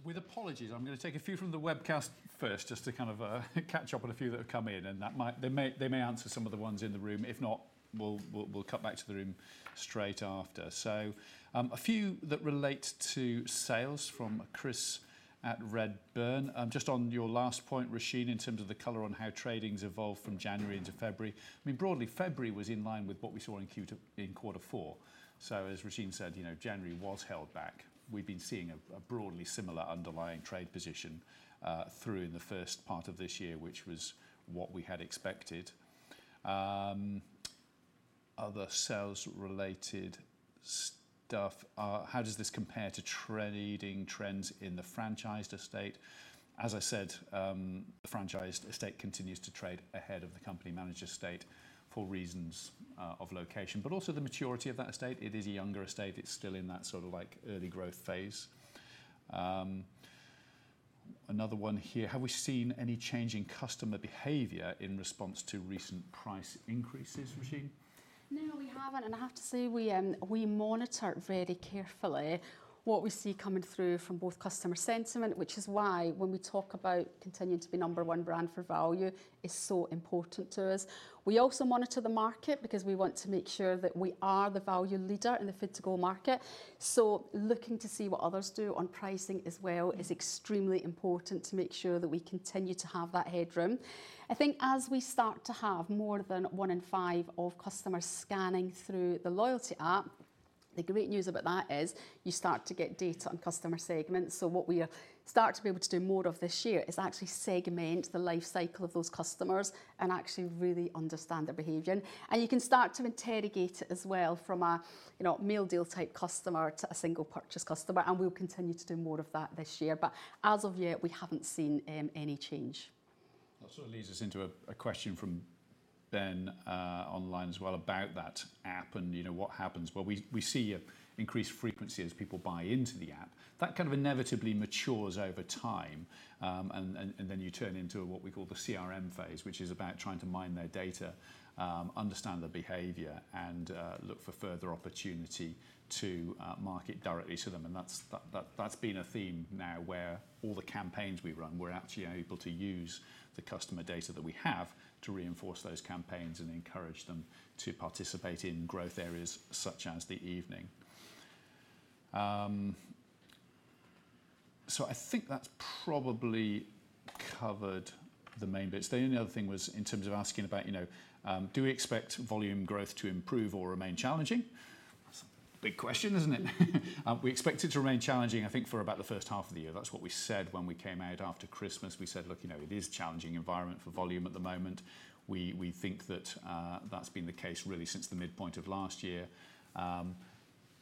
With apologies, I'm going to take a few from the webcast first just to kind of catch up on a few that have come in, and that might. They may answer some of the ones in the room. If not, we'll cut back to the room straight after, so a few that relate to sales from Chris at Redburn. Just on your last point, Roisin, in terms of the color on how trading's evolved from January into February, I mean, broadly, February was in line with what we saw in Q4, so as Roisin said, you know, January was held back. We've been seeing a broadly similar underlying trade position through in the first part of this year, which was what we had expected. Other sales-related stuff, how does this compare to trading trends in the franchised estate? As I said, the franchised estate continues to trade ahead of the company-managed estate for reasons of location, but also the maturity of that estate. It is a younger estate. It's still in that sort of like early growth phase. Another one here, have we seen any change in customer behavior in response to recent price increases, Roisin? No, we haven't. And I have to say we monitor it very carefully, what we see coming through from both customer sentiment, which is why when we talk about continuing to be number one brand for value, it's so important to us. We also monitor the market because we want to make sure that we are the value leader in the food-to-go market. So, looking to see what others do on pricing as well is extremely important to make sure that we continue to have that headroom. I think as we start to have more than one in five of customers scanning through the loyalty app, the great news about that is you start to get data on customer segments. What we start to be able to do more of this year is actually segment the life cycle of those customers and actually really understand their behavior. You can start to interrogate it as well from a, you know, meal deal type customer to a single purchase customer. We'll continue to do more of that this year. As of yet, we haven't seen any change. That sort of leads us into a question from Ben online as well about that app and, you know, what happens. We see an increased frequency as people buy into the app. That kind of inevitably matures over time. Then you turn into what we call the CRM phase, which is about trying to mine their data, understand their behavior, and look for further opportunity to market directly to them. And that's been a theme now where all the campaigns we run, we're actually able to use the customer data that we have to reinforce those campaigns and encourage them to participate in growth areas such as the evening. So, I think that's probably covered the main bits. The only other thing was in terms of asking about, you know, do we expect volume growth to improve or remain challenging? That's a big question, isn't it? We expect it to remain challenging, I think, for about the first half of the year. That's what we said when we came out after Christmas. We said, look, you know, it is a challenging environment for volume at the moment. We think that that's been the case really since the midpoint of last year.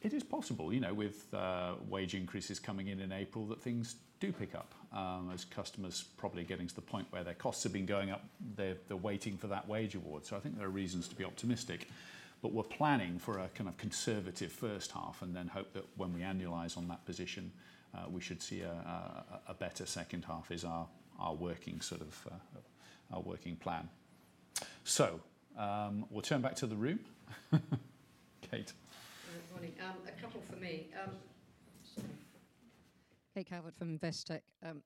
It is possible, you know, with wage increases coming in in April that things do pick up as customers probably getting to the point where their costs have been going up, they're waiting for that wage award. So, I think there are reasons to be optimistic, but we're planning for a kind of conservative first half and then hope that when we annualize on that position, we should see a better second half is our working sort of our working plan. So, we'll turn back to the room. Kate. Good morning. A couple for me. Kate Calvert from Investec.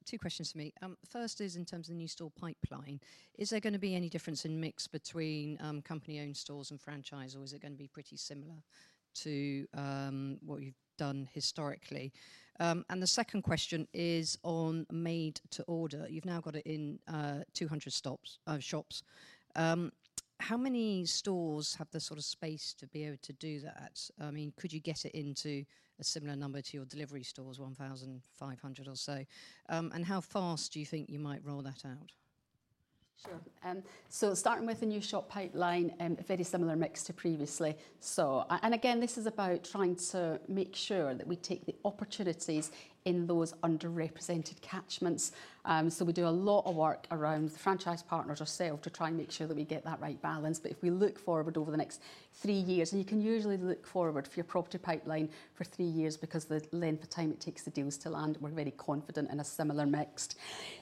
Two questions for me. First is in terms of the new store pipeline, is there going to be any difference in mix between company-owned stores and franchise, or is it going to be pretty similar to what you've done historically? And the second question is on made-to-order. You've now got it in 200 shops. How many stores have the sort of space to be able to do that? I mean, could you get it into a similar number to your delivery stores, 1,500 or so? And how fast do you think you might roll that out? Sure. So, starting with the new shop pipeline, a very similar mix to previously. So, and again, this is about trying to make sure that we take the opportunities in those underrepresented catchments. So, we do a lot of work around the franchise partners ourselves to try and make sure that we get that right balance. But if we look forward over the next three years, and you can usually look forward for your property pipeline for three years because of the length of time it takes the deals to land, we're very confident in a similar mix.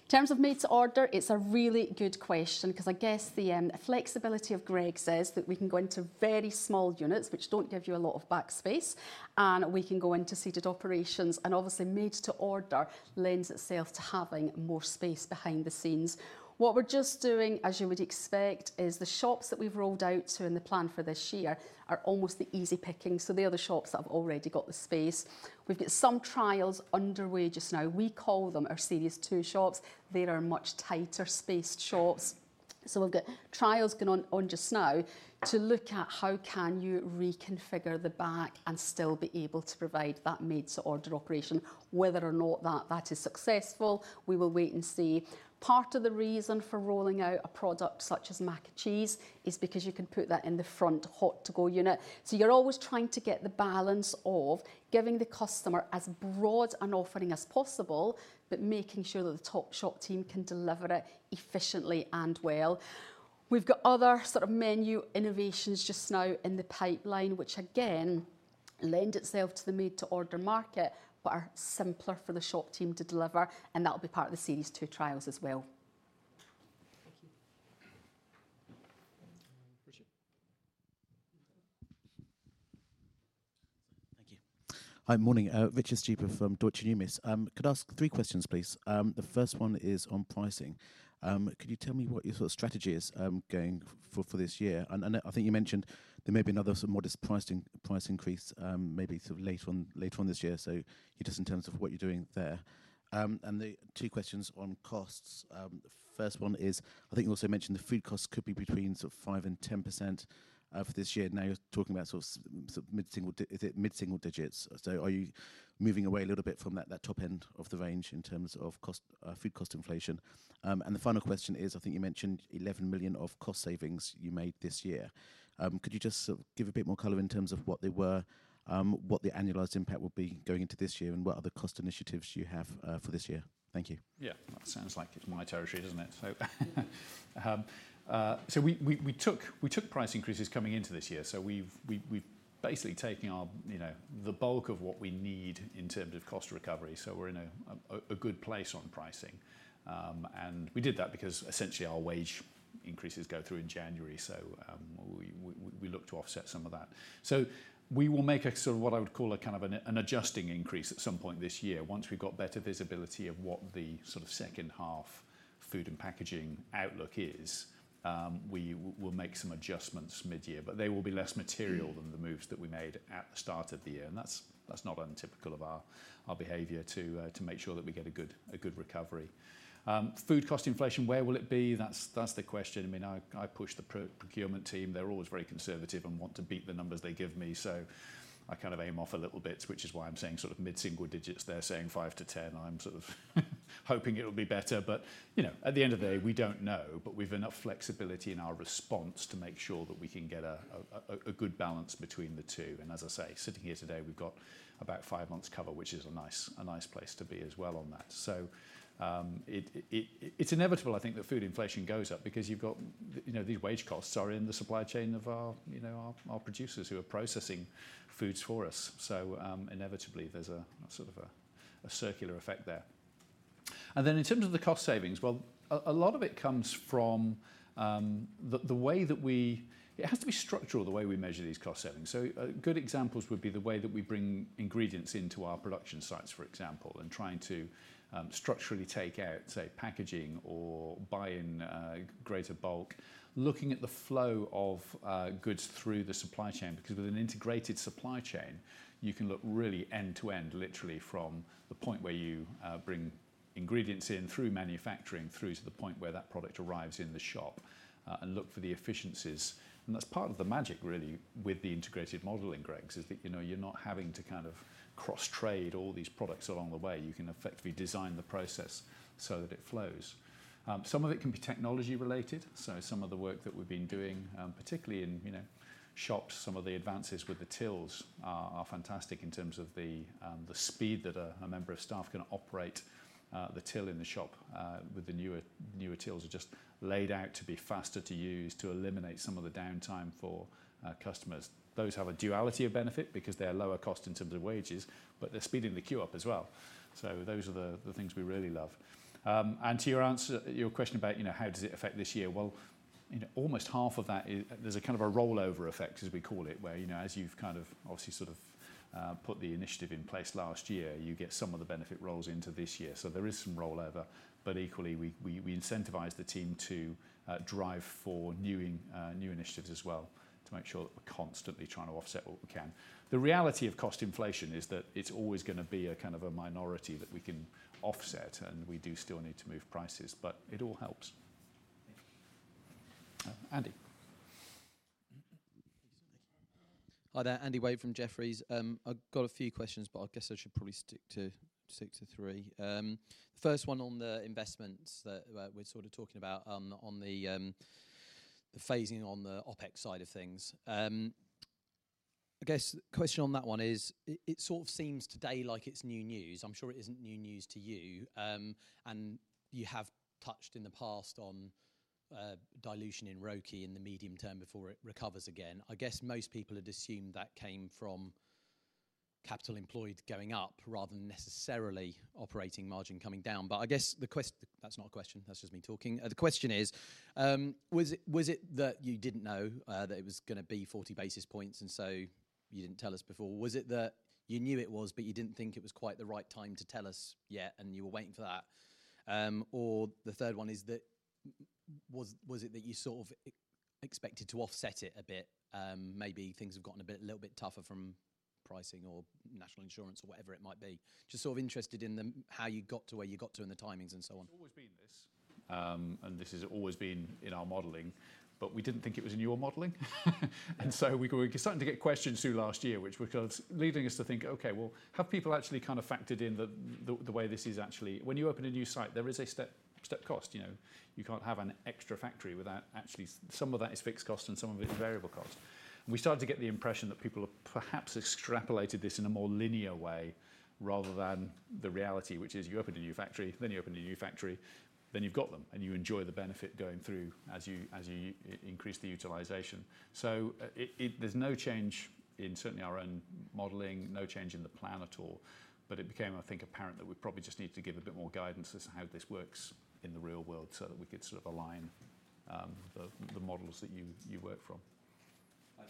In terms of made-to-order, it's a really good question because I guess the flexibility of Greggs is that we can go into very small units, which don't give you a lot of back space, and we can go into seated operations, and obviously, made-to-order lends itself to having more space behind the scenes. What we're just doing, as you would expect, is the shops that we've rolled out to in the plan for this year are almost the easy picking, so they are the shops that have already got the space. We've got some trials underway just now. We call them our Series 2 shops. They are much tighter spaced shops, so we've got trials going on just now to look at how can you reconfigure the back and still be able to provide that made-to-order operation, whether or not that is successful. We will wait and see. Part of the reason for rolling out a product such as mac and cheese is because you can put that in the front hot-to-go unit. So, you're always trying to get the balance of giving the customer as broad an offering as possible, but making sure that the top shop team can deliver it efficiently and well. We've got other sort of menu innovations just now in the pipeline, which again lend itself to the made-to-order market, but are simpler for the shop team to deliver, and that'll be part of the series two trials as well. Hi, morning. Richard Stuber from Deutsche Numis. Could I ask three questions, please? The first one is on pricing. Could you tell me what your sort of strategy is going for this year? I think you mentioned there may be another sort of modest price increase, maybe sort of later on this year. You just in terms of what you're doing there. The two questions on costs. The first one is, I think you also mentioned the food costs could be between sort of 5%-10% for this year. Now you're talking about sort of mid-single. Is it mid-single digits? Are you moving away a little bit from that top end of the range in terms of food cost inflation? The final question is, I think you mentioned 11 million of cost savings you made this year. Could you just give a bit more color in terms of what they were, what the annualized impact would be going into this year, and what other cost initiatives do you have for this year? Thank you. Yeah, that sounds like it's my territory, doesn't it? So, we took price increases coming into this year. So, we've basically taken our, you know, the bulk of what we need in terms of cost recovery. So, we're in a good place on pricing. And we did that because essentially our wage increases go through in January. So, we look to offset some of that. So, we will make a sort of what I would call a kind of an adjusting increase at some point this year. Once we've got better visibility of what the sort of second half food and packaging outlook is, we will make some adjustments mid-year, but they will be less material than the moves that we made at the start of the year. And that's not untypical of our behavior to make sure that we get a good recovery. Food cost inflation, where will it be? That's the question. I mean, I push the procurement team. They're always very conservative and want to beat the numbers they give me. So, I kind of aim off a little bit, which is why I'm saying sort of mid-single digits there, saying 5%-10%. I'm sort of hoping it'll be better. But, you know, at the end of the day, we don't know, but we've enough flexibility in our response to make sure that we can get a good balance between the two. And as I say, sitting here today, we've got about five months cover, which is a nice place to be as well on that. So, it's inevitable, I think, that food inflation goes up because you've got, you know, these wage costs are in the supply chain of our, you know, our producers who are processing foods for us. So, inevitably, there's a sort of a circular effect there. And then in terms of the cost savings, well, a lot of it comes from the way that we, it has to be structural the way we measure these cost savings. So, good examples would be the way that we bring ingredients into our production sites, for example, and trying to structurally take out, say, packaging or buy in greater bulk, looking at the flow of goods through the supply chain. Because with an integrated supply chain, you can look really end to end, literally from the point where you bring ingredients in through manufacturing through to the point where that product arrives in the shop and look for the efficiencies, and that's part of the magic, really, with the integrated model in Greggs, is that, you know, you're not having to kind of cross-trade all these products along the way. You can effectively design the process so that it flows. Some of it can be technology related, so some of the work that we've been doing, particularly in, you know, shops, some of the advances with the tills are fantastic in terms of the speed that a member of staff can operate the till in the shop with the newer tills are just laid out to be faster to use to eliminate some of the downtime for customers. Those have a duality of benefit because they are lower cost in terms of wages, but they're speeding the queue up as well. So, those are the things we really love. And to your answer, your question about, you know, how does it affect this year? Well, you know, almost half of that is there's a kind of a rollover effect, as we call it, where, you know, as you've kind of obviously sort of put the initiative in place last year, you get some of the benefit rolls into this year. So, there is some rollover, but equally, we incentivize the team to drive for new initiatives as well to make sure that we're constantly trying to offset what we can. The reality of cost inflation is that it's always going to be a kind of a minority that we can offset, and we do still need to move prices, but it all helps. Andy. Hi there, Andy Wade from Jefferies. I've got a few questions, but I guess I should probably stick to three. The first one on the investments that we're sort of talking about on the phasing on the OpEx side of things. I guess the question on that one is it sort of seems today like it's new news. I'm sure it isn't new news to you. And you have touched in the past on dilution in ROCE in the medium term before it recovers again. I guess most people had assumed that came from Capital Employed going up rather than necessarily operating margin coming down. But I guess the question, that's not a question, that's just me talking. The question is, was it that you didn't know that it was going to be 40 basis points and so you didn't tell us before? Was it that you knew it was, but you didn't think it was quite the right time to tell us yet and you were waiting for that? Or the third one is that was it that you sort of expected to offset it a bit? Maybe things have gotten a little bit tougher from pricing or National Insurance or whatever it might be. Just sort of interested in how you got to where you got to and the timings and so on. It's always been this, and this has always been in our modeling, but we didn't think it was in your modeling. We were starting to get questions through last year, which was leading us to think, okay, well, have people actually kind of factored in the way this is actually? When you open a new site, there is a step cost. You know, you can't have an extra factory without actually some of that is fixed cost and some of it is variable cost. We started to get the impression that people have perhaps extrapolated this in a more linear way rather than the reality, which is you open a new factory, then you open a new factory, then you've got them and you enjoy the benefit going through as you increase the utilization. There's no change in certainly our own modeling, no change in the plan at all, but it became, I think, apparent that we probably just need to give a bit more guidance as to how this works in the real world so that we could sort of align the models that you work from.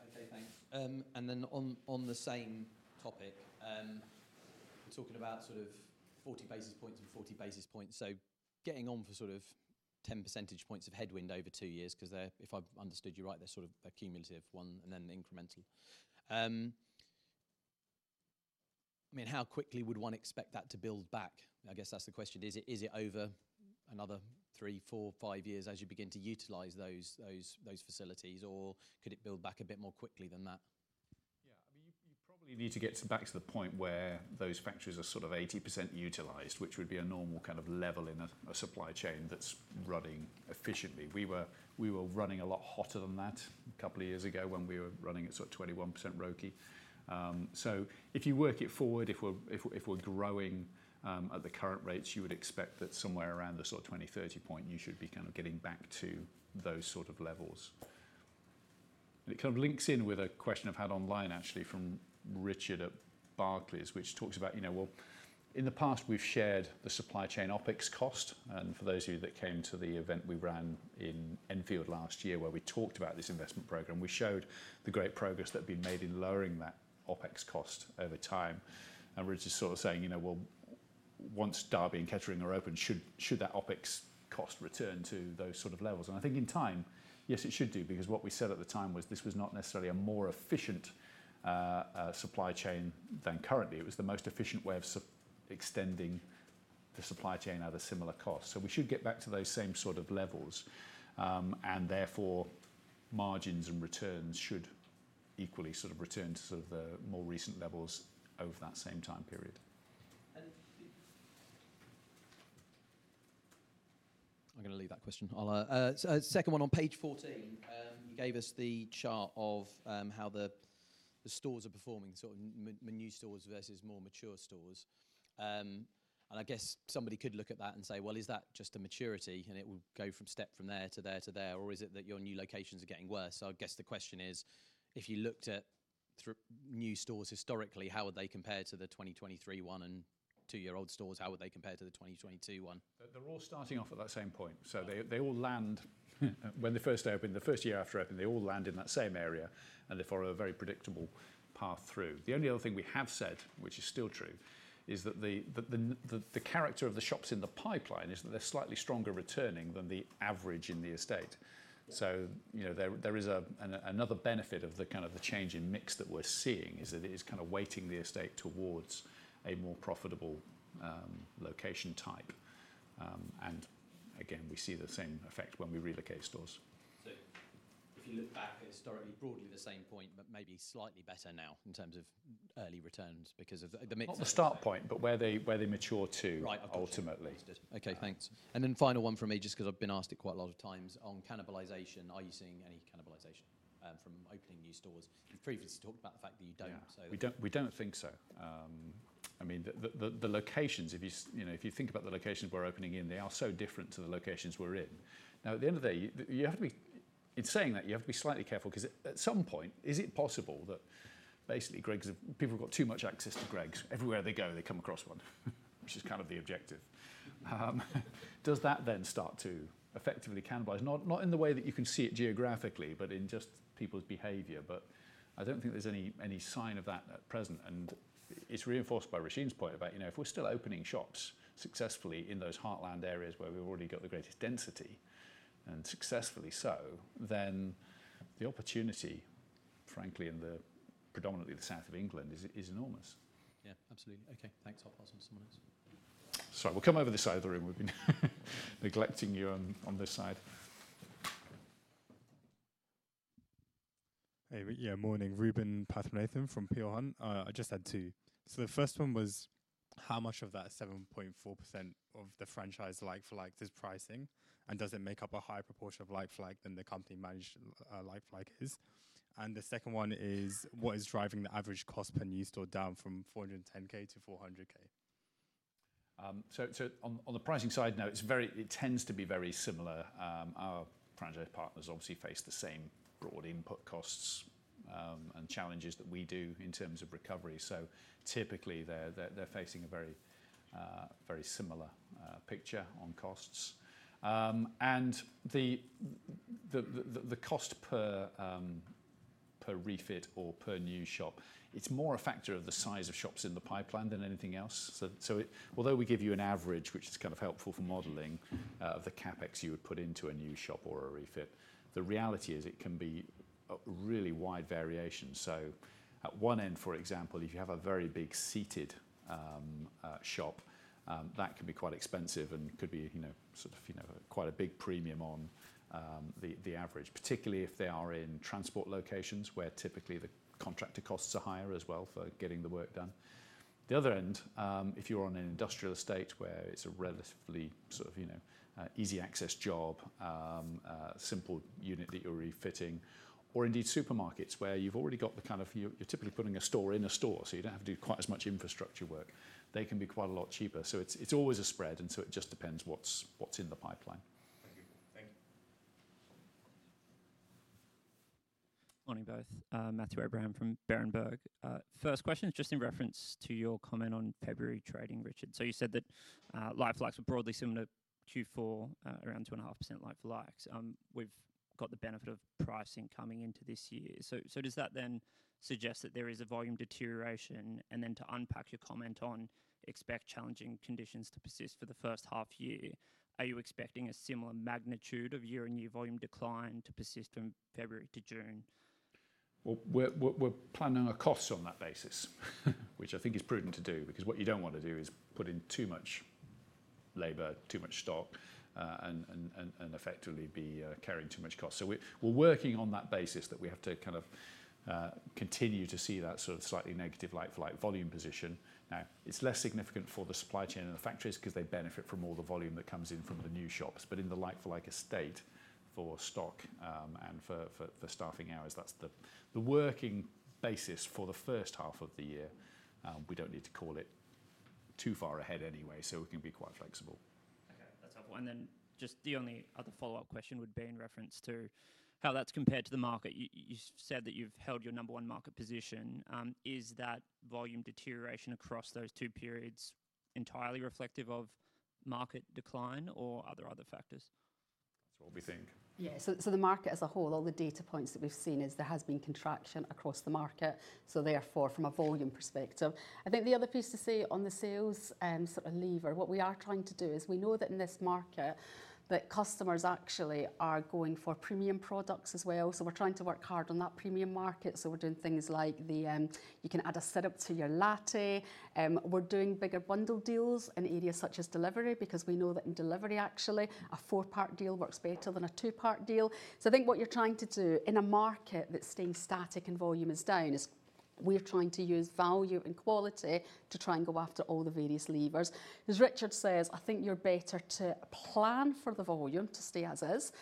I'd say And then on the same topic, we're talking about sort of 40 basis points and 40 basis points. So, getting on for sort of 10 percentage points of headwind over two years because they're, if I've understood you right, they're sort of a cumulative one and then incremental. I mean, how quickly would one expect that to build back? I guess that's the question. Is it over another three, four, five years as you begin to utilize those facilities, or could it build back a bit more quickly than that? Yeah, I mean, you probably need to get back to the point where those factories are sort of 80% utilized, which would be a normal kind of level in a supply chain that's running efficiently. We were running a lot hotter than that a couple of years ago when we were running at sort of 21% ROCE. So, if you work it forward, if we're growing at the current rates, you would expect that somewhere around the sort of 20-30 point, you should be kind of getting back to those sort of levels. It kind of links in with a question I've had online actually from Richard at Barclays, which talks about, you know, well, in the past, we've shared the supply chain OpEx cost. And for those of you that came to the event we ran in Enfield last year where we talked about this investment programme, we showed the great progress that had been made in lowering that OpEx cost over time. And we're just sort of saying, you know, well, once Derby and Kettering are open, should that OpEx cost return to those sort of levels? And I think in time, yes, it should do because what we said at the time was this was not necessarily a more efficient supply chain than currently. It was the most efficient way of extending the supply chain at a similar cost. So, we should get back to those same sort of levels. And therefore, margins and returns should equally sort of return to sort of the more recent levels over that same time period. I'm going to leave that question. Second one on page 14, you gave us the chart of how the stores are performing, sort of new stores versus more mature stores. And I guess somebody could look at that and say, well, is that just a maturity and it will go from step from there to there to there, or is it that your new locations are getting worse? So, I guess the question is, if you looked at new stores historically, how would they compare to the 2023 one and two-year-old stores? How would they compare to the 2022 one? They're all starting off at that same point. So, they all land when they first opened, the first year after opening, they all land in that same area and therefore are a very predictable path through. The only other thing we have said, which is still true, is that the character of the shops in the pipeline is that they're slightly stronger returning than the average in the estate. So, you know, there is another benefit of the kind of the change in mix that we're seeing is that it is kind of weighting the estate towards a more profitable location type. And again, we see the same effect when we relocate stores. So, if you look back historically, broadly the same point, but maybe slightly better now in terms of early returns because of the mid-. Not the start point, but where they mature to ultimately. Okay, thanks. And then final one for me, just because I've been asked it quite a lot of times on cannibalization, are you seeing any cannibalization from opening new stores? You've previously talked about the fact that you don't. We don't think so. I mean, the locations, if you think about the locations we're opening in, they are so different to the locations we're in. Now, at the end of the day, you have to be in saying that, you have to be slightly careful because at some point, is it possible that basically Greggs, people have got too much access to Greggs. Everywhere they go, they come across one, which is kind of the objective. Does that then start to effectively cannibalize? Not in the way that you can see it geographically, but in just people's behavior. But I don't think there's any sign of that at present. It's reinforced by Roisin's point about, you know, if we're still opening shops successfully in those heartland areas where we've already got the greatest density and successfully so, then the opportunity, frankly, in predominantly the south of England is enormous. Yeah, absolutely. Okay, thanks. I'll pass on to someone else. Sorry, we'll come over this side of the room. We've been neglecting you on this side. Hey, yeah, morning. Ruben Pathmanathan from Peel Hunt. I just had two. So, the first one was how much of that 7.4% of the franchise like-for-like is pricing and does it make up a higher proportion of like-for-like than the company managed like-for-like is? And the second one is what is driving the average cost per new store down from 410,000 to 400,000? So, on the pricing side now, it tends to be very similar. Our franchise partners obviously face the same broad input costs and challenges that we do in terms of recovery. So, typically they're facing a very similar picture on costs. And the cost per refit or per new shop, it's more a factor of the size of shops in the pipeline than anything else. So, although we give you an average, which is kind of helpful for modeling of the CapEx you would put into a new shop or a refit, the reality is it can be a really wide variation. So, at one end, for example, if you have a very big seated shop, that can be quite expensive and could be sort of quite a big premium on the average, particularly if they are in transport locations where typically the contractor costs are higher as well for getting the work done. The other end, if you're on an industrial estate where it's a relatively sort of easy access job, simple unit that you're refitting, or indeed supermarkets where you've already got the kind of, you're typically putting a store in a store, so you don't have to do quite as much infrastructure work, they can be quite a lot cheaper. So, it's always a spread and so it just depends what's in the pipeline. Thank you. Matthew Abraham from Berenberg. First question is just in reference to your comment on February trading, Richard. So, you said that like-for-likes were broadly similar Q4, around 2.5% like-for-likes. We've got the benefit of pricing coming into this year. So, does that then suggest that there is a volume deterioration? To unpack your comment on expecting challenging conditions to persist for the first half year, are you expecting a similar magnitude of year-on-year volume decline to persist from February to June? We're planning our costs on that basis, which I think is prudent to do because what you don't want to do is put in too much labor, too much stock, and effectively be carrying too much cost. We're working on that basis that we have to kind of continue to see that sort of slightly negative like-for-like volume position. It's less significant for the supply chain and the factories because they benefit from all the volume that comes in from the new shops. In the like-for-like estate for stock and for staffing hours, that's the working basis for the first half of the year. We don't need to call it too far ahead anyway, so we can be quite flexible. Okay, that's helpful and then just the only other follow-up question would be in reference to how that's compared to the market. You said that you've held your number one market position. Is that volume deterioration across those two periods entirely reflective of market decline or are there other factors? That's what we think. Yeah, so the market as a whole, all the data points that we've seen is there has been contraction across the market. So, therefore, from a volume perspective, I think the other piece to see on the sales sort of lever. What we are trying to do is we know that in this market that customers actually are going for premium products as well. So, we're trying to work hard on that premium market. So, we're doing things like you can add a syrup to your latte. We're doing bigger bundle deals in areas such as delivery because we know that in delivery actually a four-part deal works better than a two-part deal. I think what you're trying to do in a market that's staying static and volume is down is we're trying to use value and quality to try and go after all the various levers. As Richard says, I think you're better to plan for the volume to stay as is,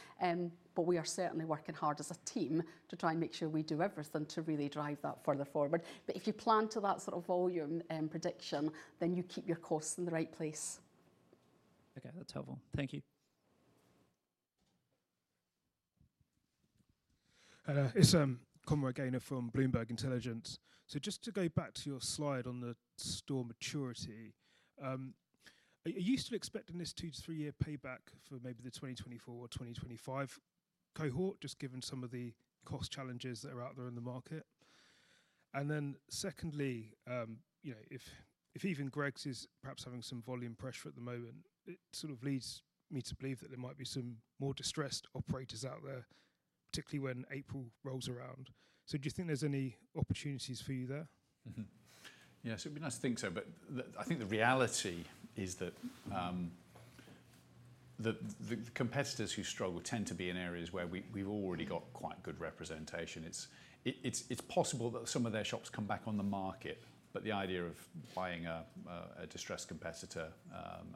but we are certainly working hard as a team to try and make sure we do everything to really drive that further forward. But if you plan to that sort of volume prediction, then you keep your costs in the right place. Okay, that's helpful. Thank you. It's Conroy Gaynor from Bloomberg Intelligence. So, just to go back to your slide on the store maturity, are you still expecting this two- to three-year payback for maybe the 2024 or 2025 cohort, just given some of the cost challenges that are out there in the market? And then secondly, you know, if even Greggs is perhaps having some volume pressure at the moment, it sort of leads me to believe that there might be some more distressed operators out there, particularly when April rolls around. So, do you think there's any opportunities for you there? Yeah, so it'd be nice to think so, but I think the reality is that the competitors who struggle tend to be in areas where we've already got quite good representation. It's possible that some of their shops come back on the market, but the idea of buying a distressed competitor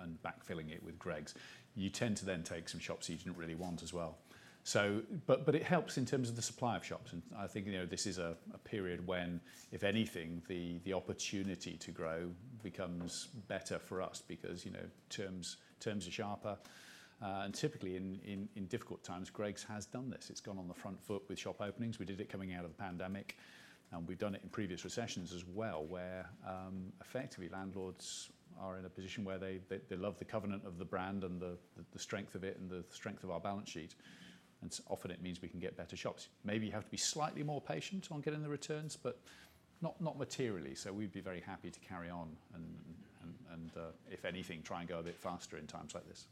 and backfilling it with Greggs, you tend to then take some shops you didn't really want as well. So, but it helps in terms of the supply of shops. And I think, you know, this is a period when, if anything, the opportunity to grow becomes better for us because, you know, terms are sharper. And typically in difficult times, Greggs has done this. It's gone on the front foot with shop openings. We did it coming out of the pandemic. And we've done it in previous recessions as well where effectively landlords are in a position where they love the covenant of the brand and the strength of it and the strength of our balance sheet. And often it means we can get better shops. Maybe you have to be slightly more patient on getting the returns, but not materially. So, we'd be very happy to carry on and, if anything, try and go a bit faster in times like this.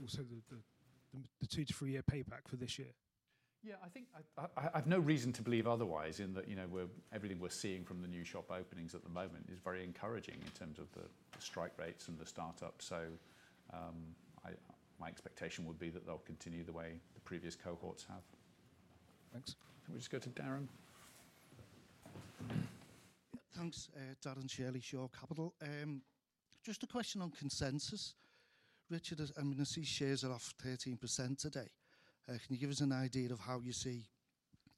Also, the two to three-year payback for this year? Yeah, I think I have no reason to believe otherwise in that, you know, everything we're seeing from the new shop openings at the moment is very encouraging in terms of the strike rates and the startup. So, my expectation would be that they'll continue the way the previous cohorts have. Thanks. Can we just go to Darren? Thanks, Darren Shirley, Shore Capital. Just a question on consensus. Richard, I mean, I see shares are off 13% today. Can you give us an idea of how you see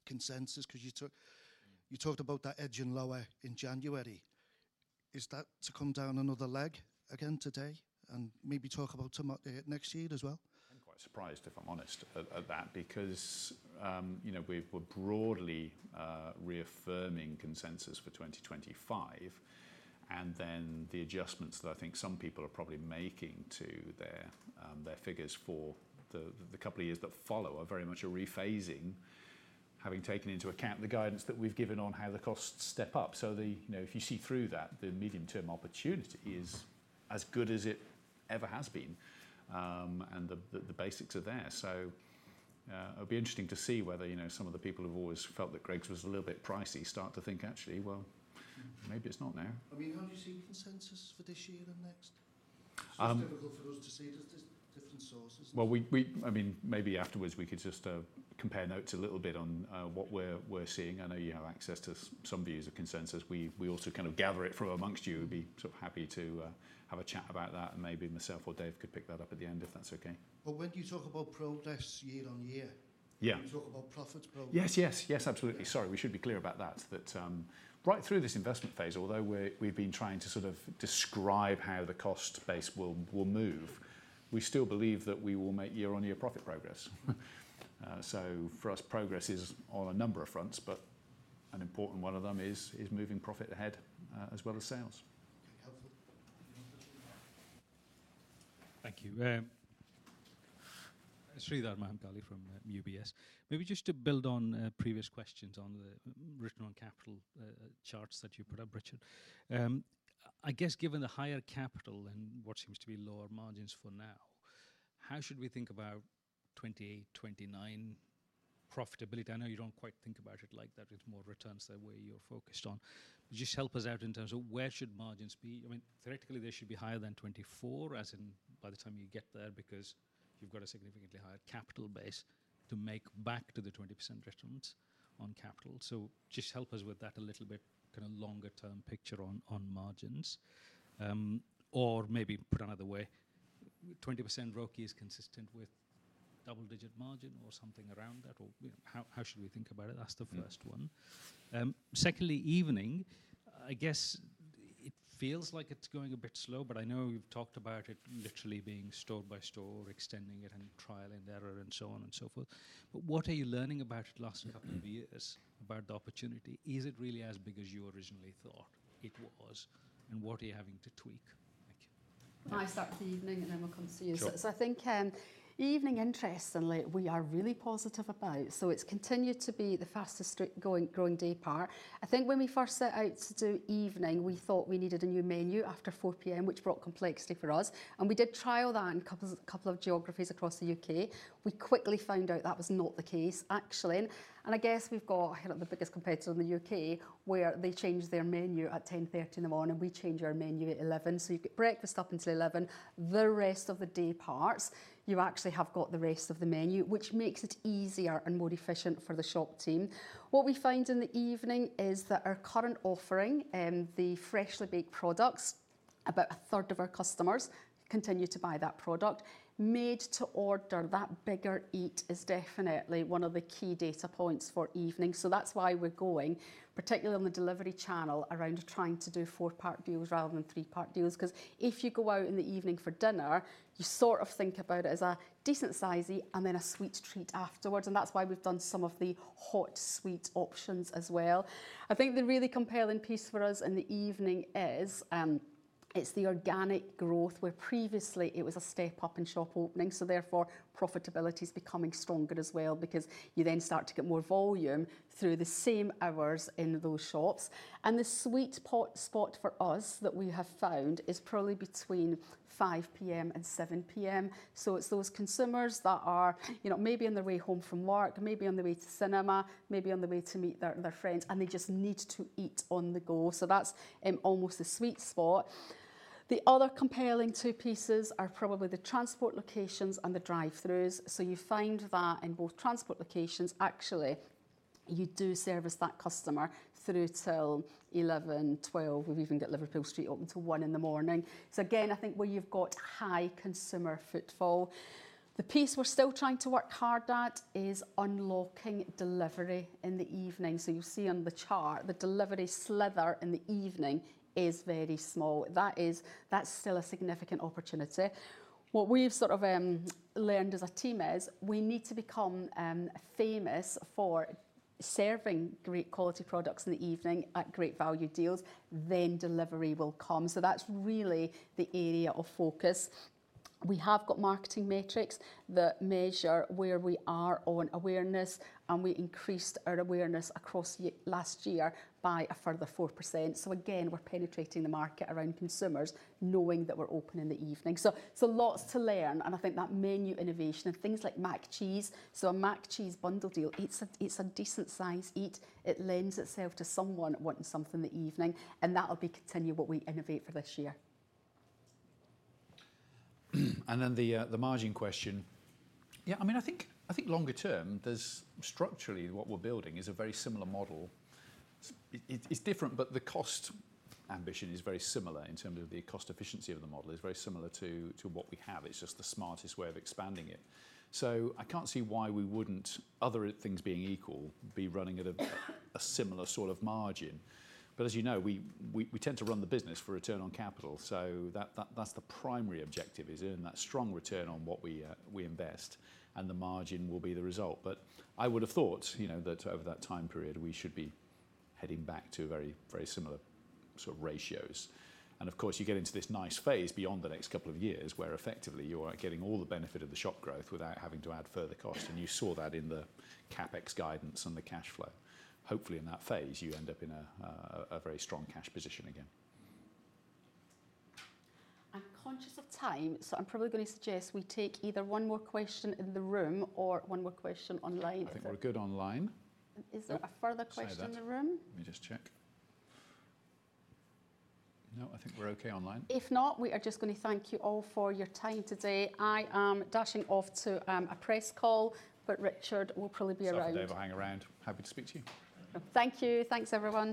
consensus? Because you talked about that edge and lower in January. Is that to come down another leg again today and maybe talk about next year as well? I'm quite surprised if I'm honest at that because, you know, we're broadly reaffirming consensus for 2025. And then the adjustments that I think some people are probably making to their figures for the couple of years that follow are very much a rephasing, having taken into account the guidance that we've given on how the costs step up. So, you know, if you see through that, the medium-term opportunity is as good as it ever has been. And the basics are there. So, it'll be interesting to see whether, you know, some of the people who've always felt that Greggs was a little bit pricey start to think, actually, well, maybe it's not now. I mean, how do you see consensus for this year and next? It's difficult for us to say. There's different sources. Well, I mean, maybe afterwards we could just compare notes a little bit on what we're seeing. I know you have access to some views of consensus. We also kind of gather it from amongst you. We'd be sort of happy to have a chat about that. And maybe myself or Dave could pick that up at the end if that's okay. But when do you talk about progress year on year? Yeah. You talk about profits, probably. Yes, yes, yes, absolutely. Sorry, we should be clear about that. That right through this investment phase, although we've been trying to sort of describe how the cost base will move, we still believe that we will make year-on-year profit progress. So, for us, progress is on a number of fronts, but an important one of them is moving profit ahead as well as sales. Okay, helpful. Thank you. Sreedhar Mahamkali from UBS. Maybe just to build on previous questions on the return on capital charts that you put up, Richard. I guess given the higher capital and what seems to be lower margins for now, how should we think about 2028, 2029 profitability? I know you don't quite think about it like that. It's more returns that way you're focused on. Just help us out in terms of where should margins be? I mean, theoretically, they should be higher than 2024 as in by the time you get there because you've got a significantly higher capital base to make back to the 20% returns on capital. So, just help us with that a little bit, kind of longer-term picture on margins. Or maybe put another way, 20% ROCE is consistent with double-digit margin or something around that. Or how should we think about it? That's the first one. Secondly, evening, I guess it feels like it's going a bit slow, but I know we've talked about it literally being store by store, extending it and trial and error and so on and so forth. But what are you learning about it last couple of years about the opportunity? Is it really as big as you originally thought it was? And what are you having to tweak? Thank you. I start with the evening and then we'll come to you. So, I think evening interests and we are really positive about. So, it's continued to be the fastest growing daypart. I think when we first set out to do evening, we thought we needed a new menu after 4:00 P.M., which brought complexity for us. And we did trial that in a couple of geographies across the U.K. We quickly found out that was not the case, actually, and I guess we've got ahead of the biggest competitor in the U.K. where they change their menu at 10:30 A.M. We change our menu at 11:00 A.M. You get breakfast up until 11:00 A.M. The rest of the dayparts, you actually have got the rest of the menu, which makes it easier and more efficient for the shop team. What we find in the evening is that our current offering, the freshly baked products, about a third of our customers continue to buy that product. Made to order, that bigger eat is definitely one of the key data points for evening. That's why we're going, particularly on the delivery channel, around trying to do four-part deals rather than three-part deals. Because if you go out in the evening for dinner, you sort of think about it as a decent size and then a sweet treat afterwards. And that's why we've done some of the hot sweet options as well. I think the really compelling piece for us in the evening is it's the organic growth where previously it was a step up in shop opening. So, therefore, profitability is becoming stronger as well because you then start to get more volume through the same hours in those shops. And the sweet spot for us that we have found is probably between 5:00 P.M. and 7:00 P.M. So, it's those consumers that are, you know, maybe on their way home from work, maybe on their way to cinema, maybe on their way to meet their friends, and they just need to eat on the go. So, that's almost the sweet spot. The other compelling two pieces are probably the transport locations and the drive-throughs. So, you find that in both transport locations, actually, you do service that customer through till 11:00 P.M., 12:00 A.M. We've even got Liverpool Street open till 1:00 A.M. So, again, I think where you've got high consumer footfall. The piece we're still trying to work hard at is unlocking delivery in the evening. So, you'll see on the chart the delivery sliver in the evening is very small. That is, that's still a significant opportunity. What we've sort of learned as a team is we need to become famous for serving great quality products in the evening at great value deals. Then delivery will come. So, that's really the area of focus. We have got marketing metrics that measure where we are on awareness, and we increased our awareness across last year by a further 4%. Again, we're penetrating the market around consumers knowing that we're open in the evening. So, there's lots to learn. And I think that menu innovation and things like Mac and Cheese, so a Mac and Cheese bundle deal, it's a decent size eat. It lends itself to someone wanting something in the evening. And that'll be continued what we innovate for this year. And then the margin question. Yeah, I mean, I think longer term, there's structurally what we're building is a very similar model. It's different, but the cost ambition is very similar in terms of the cost efficiency of the model. It's very similar to what we have. It's just the smartest way of expanding it. So, I can't see why we wouldn't, other things being equal, be running at a similar sort of margin. But as you know, we tend to run the business for return on capital. So, that's the primary objective is earning that strong return on what we invest. And the margin will be the result. But I would have thought, you know, that over that time period, we should be heading back to very, very similar sort of ratios. And of course, you get into this nice phase beyond the next couple of years where effectively you are getting all the benefit of the shop growth without having to add further costs. And you saw that in the CapEx guidance and the cash flow. Hopefully, in that phase, you end up in a very strong cash position again. I'm conscious of time, so I'm probably going to suggest we take either one more question in the room or one more question online. I think we're good online. Is there a further question in the room? Let me just check. No, I think we're okay online. If not, we are just going to thank you all for your time today. I am dashing off to a press call, but Richard will probably be around. Sure, I'll hang around. Happy to speak to you. Thank you. Thanks, everyone.